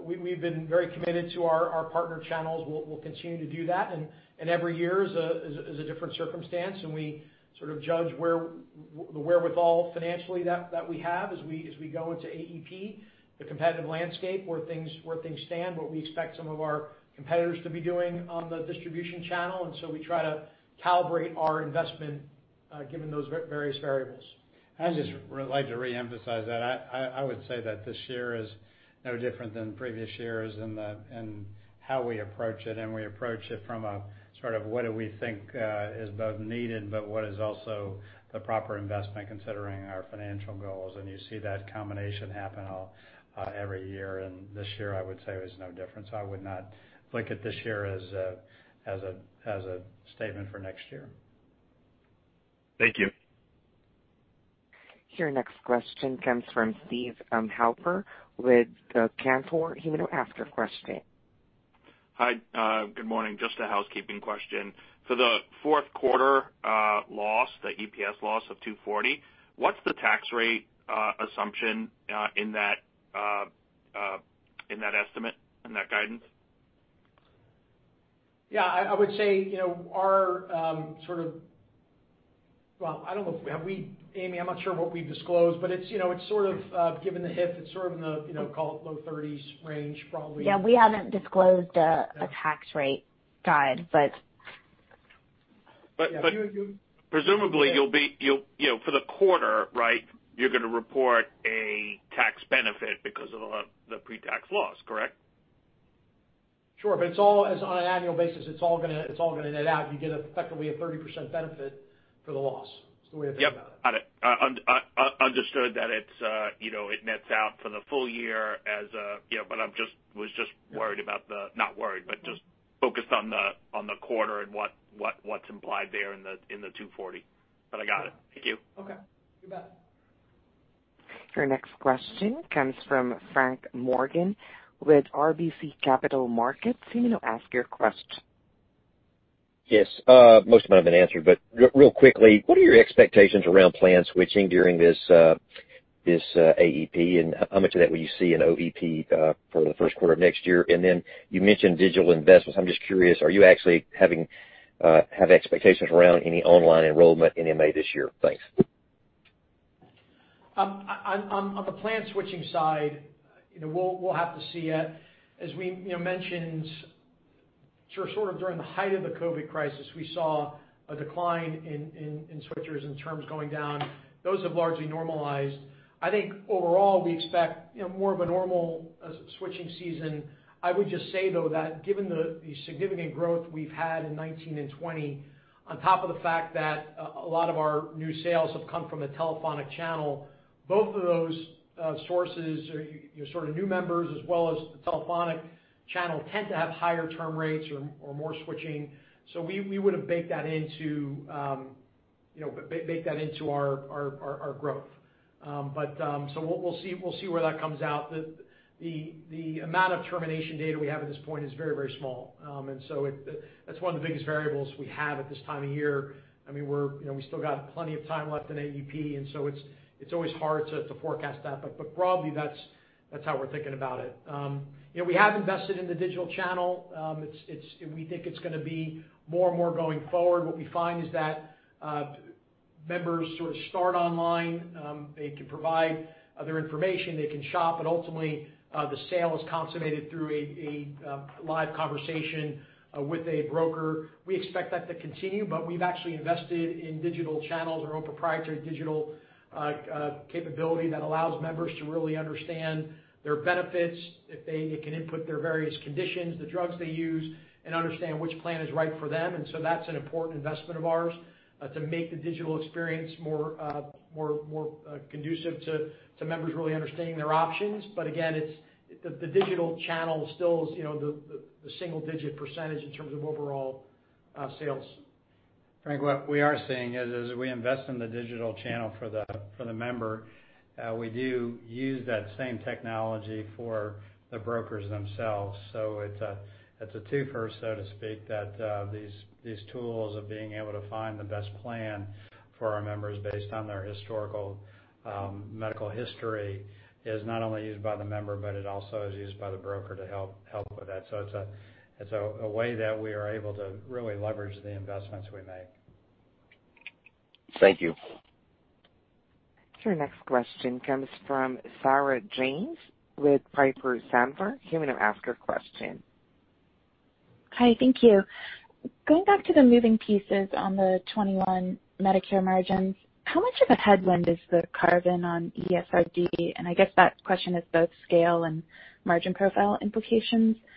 We've been very committed to our partner channels. We'll continue to do that, and every year is a different circumstance, and we sort of judge the wherewithal financially that we have as we go into AEP, the competitive landscape, where things stand, what we expect some of our competitors to be doing on the distribution channel, and so we try to calibrate our investment given those various variables. I'd just like to reemphasize that. I would say that this year is no different than previous years in how we approach it, and we approach it from a sort of what do we think is both needed, but what is also the proper investment considering our financial goals. You see that combination happen every year, and this year, I would say was no different. I would not look at this year as a statement for next year. Thank you. Your next question comes from Steve Halper with the Cantor Fitzgerald. You may now ask your question. Hi. Good morning. Just a housekeeping question. For the fourth quarter loss, the EPS loss of $2.40, what's the tax rate assumption in that estimate, in that guidance? Yeah. I would say our sort of Well, Amy, I'm not sure what we've disclosed, but given the HIF, it's sort of in the call it low 30%s range, probably. Yeah. We haven't disclosed a tax rate guide. Presumably for the quarter, right, you're going to report a tax benefit because of the pre-tax loss, correct? Sure. On an annual basis, it's all going to net out. You get effectively a 30% benefit for the loss. It's the way to think about it. Yep. Understood that it nets out for the full year, but I was just focused on the quarter and what's implied there in the $2.40. I got it. Thank you. Okay. You bet. Your next question comes from Frank Morgan with RBC Capital Markets. You may now ask your question. Yes. Most of them have been answered, but real quickly, what are your expectations around plan switching during this AEP, and how much of that will you see in OEP for the first quarter of next year? You mentioned digital investments. I'm just curious, are you actually have expectations around any online enrollment in MA this year? Thanks. On the plan switching side, we'll have to see yet. As we mentioned, sort of during the height of the COVID crisis, we saw a decline in switchers, in terms going down. Those have largely normalized. I think overall, we expect more of a normal switching season. I would just say, though, that given the significant growth we've had in 2019 and 2020, on top of the fact that a lot of our new sales have come from the telephonic channel, both of those sources, your sort of new members as well as the telephonic channel, tend to have higher term rates or more switching. We would have baked that into our growth. We'll see where that comes out. The amount of termination data we have at this point is very small. That's one of the biggest variables we have at this time of year. We still got plenty of time left in AEP, and so it's always hard to forecast that. Broadly, that's how we're thinking about it. We have invested in the digital channel. We think it's going to be more and more going forward. What we find is that members sort of start online. They can provide their information, they can shop, but ultimately, the sale is consummated through a live conversation with a broker. We expect that to continue, but we've actually invested in digital channels, our own proprietary digital capability that allows members to really understand their benefits. They can input their various conditions, the drugs they use, and understand which plan is right for them. That's an important investment of ours, to make the digital experience more conducive to members really understanding their options. Again, the digital channel still is the single-digit percentage in terms of overall sales. Frank, what we are seeing is as we invest in the digital channel for the member, we do use that same technology for the brokers themselves. It's a two-fer, so to speak, that these tools of being able to find the best plan for our members based on their historical medical history is not only used by the member, but it also is used by the broker to help with that. It's a way that we are able to really leverage the investments we make. Thank you. Your next question comes from Sarah James with Piper Sandler. You may now ask your question. Hi, thank you. Going back to the moving pieces on the 2021 Medicare margins, how much of a headwind is the carve in on ESRD? I guess that question is both scale and margin profile implications for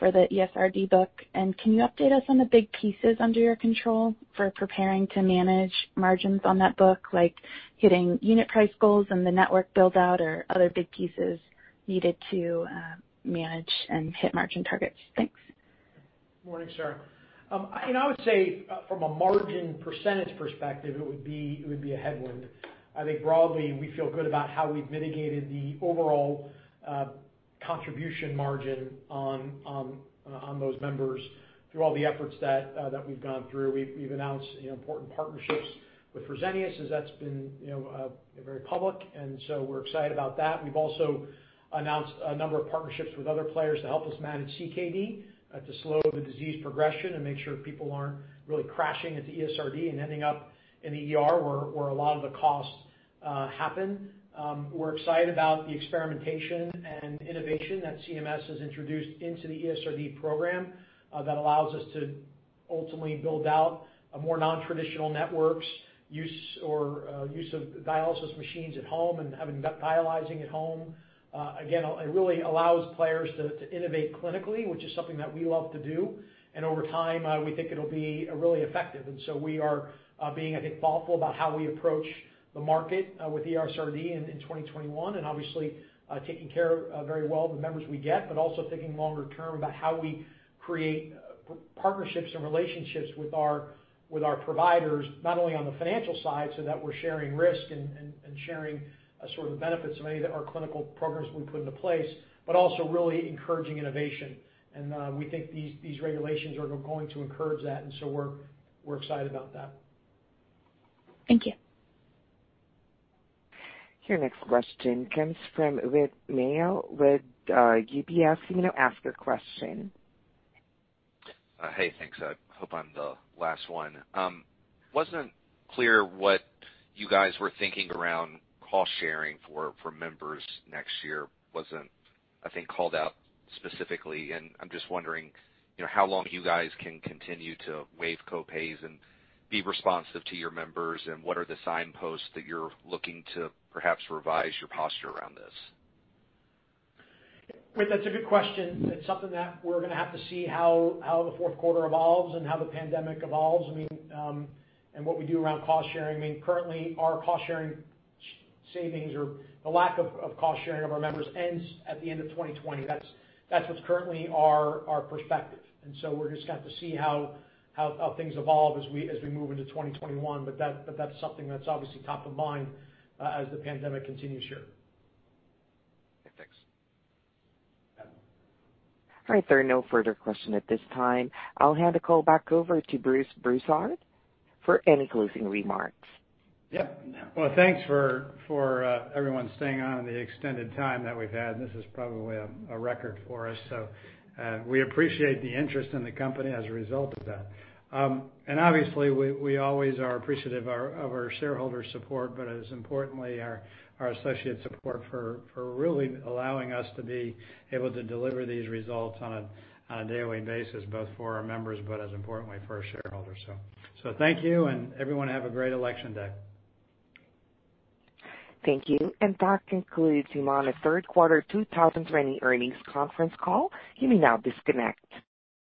the ESRD book. Can you update us on the big pieces under your control for preparing to manage margins on that book, like hitting unit price goals and the network build-out or other big pieces needed to manage and hit margin targets? Thanks. Morning, Sarah. I would say from a margin percentage perspective, it would be a headwind. I think broadly, we feel good about how we've mitigated the overall contribution margin on those members through all the efforts that we've gone through. We've announced important partnerships with Fresenius, as that's been very public. We're excited about that. We've also announced a number of partnerships with other players to help us manage CKD, to slow the disease progression and make sure people aren't really crashing into ESRD and ending up in the ER, where a lot of the costs happen. We're excited about the experimentation and innovation that CMS has introduced into the ESRD program that allows us to ultimately build out more non-traditional networks, use of dialysis machines at home and having dialyzing at home. Again, it really allows players to innovate clinically, which is something that we love to do. Over time, we think it'll be really effective. We are being, I think, thoughtful about how we approach the market with ESRD in 2021, and obviously taking care very well of the members we get, but also thinking longer term about how we create partnerships and relationships with our providers, not only on the financial side, so that we're sharing risk and sharing sort of the benefits of many of our clinical programs we put into place, but also really encouraging innovation. We think these regulations are going to encourage that, and so we're excited about that. Thank you. Your next question comes from Whit Mayo with UBS. You may now ask your question. Hey, thanks. I hope I'm the last one. Wasn't clear what you guys were thinking around cost-sharing for members next year. Wasn't, I think, called out specifically. I'm just wondering how long you guys can continue to waive copays and be responsive to your members. What are the signposts that you're looking to perhaps revise your posture around this? Whit, that's a good question. That's something that we're going to have to see how the fourth quarter evolves and how the pandemic evolves, and what we do around cost-sharing. Currently our cost-sharing savings or the lack of cost-sharing of our members ends at the end of 2020. That's what's currently our perspective. We're just going to have to see how things evolve as we move into 2021. That's something that's obviously top of mind as the pandemic continues here. Thanks. Yeah. All right. There are no further questions at this time. I'll hand the call back over to Bruce Broussard for any closing remarks. Well, thanks for everyone staying on the extended time that we've had. This is probably a record for us, so we appreciate the interest in the company as a result of that. Obviously, we always are appreciative of our shareholders' support, but as importantly, our associate support for really allowing us to be able to deliver these results on a day-one basis, both for our members, but as importantly for our shareholders. Thank you, and everyone have a great election day. Thank you. That concludes Humana third quarter 2020 earnings conference call. You may now disconnect.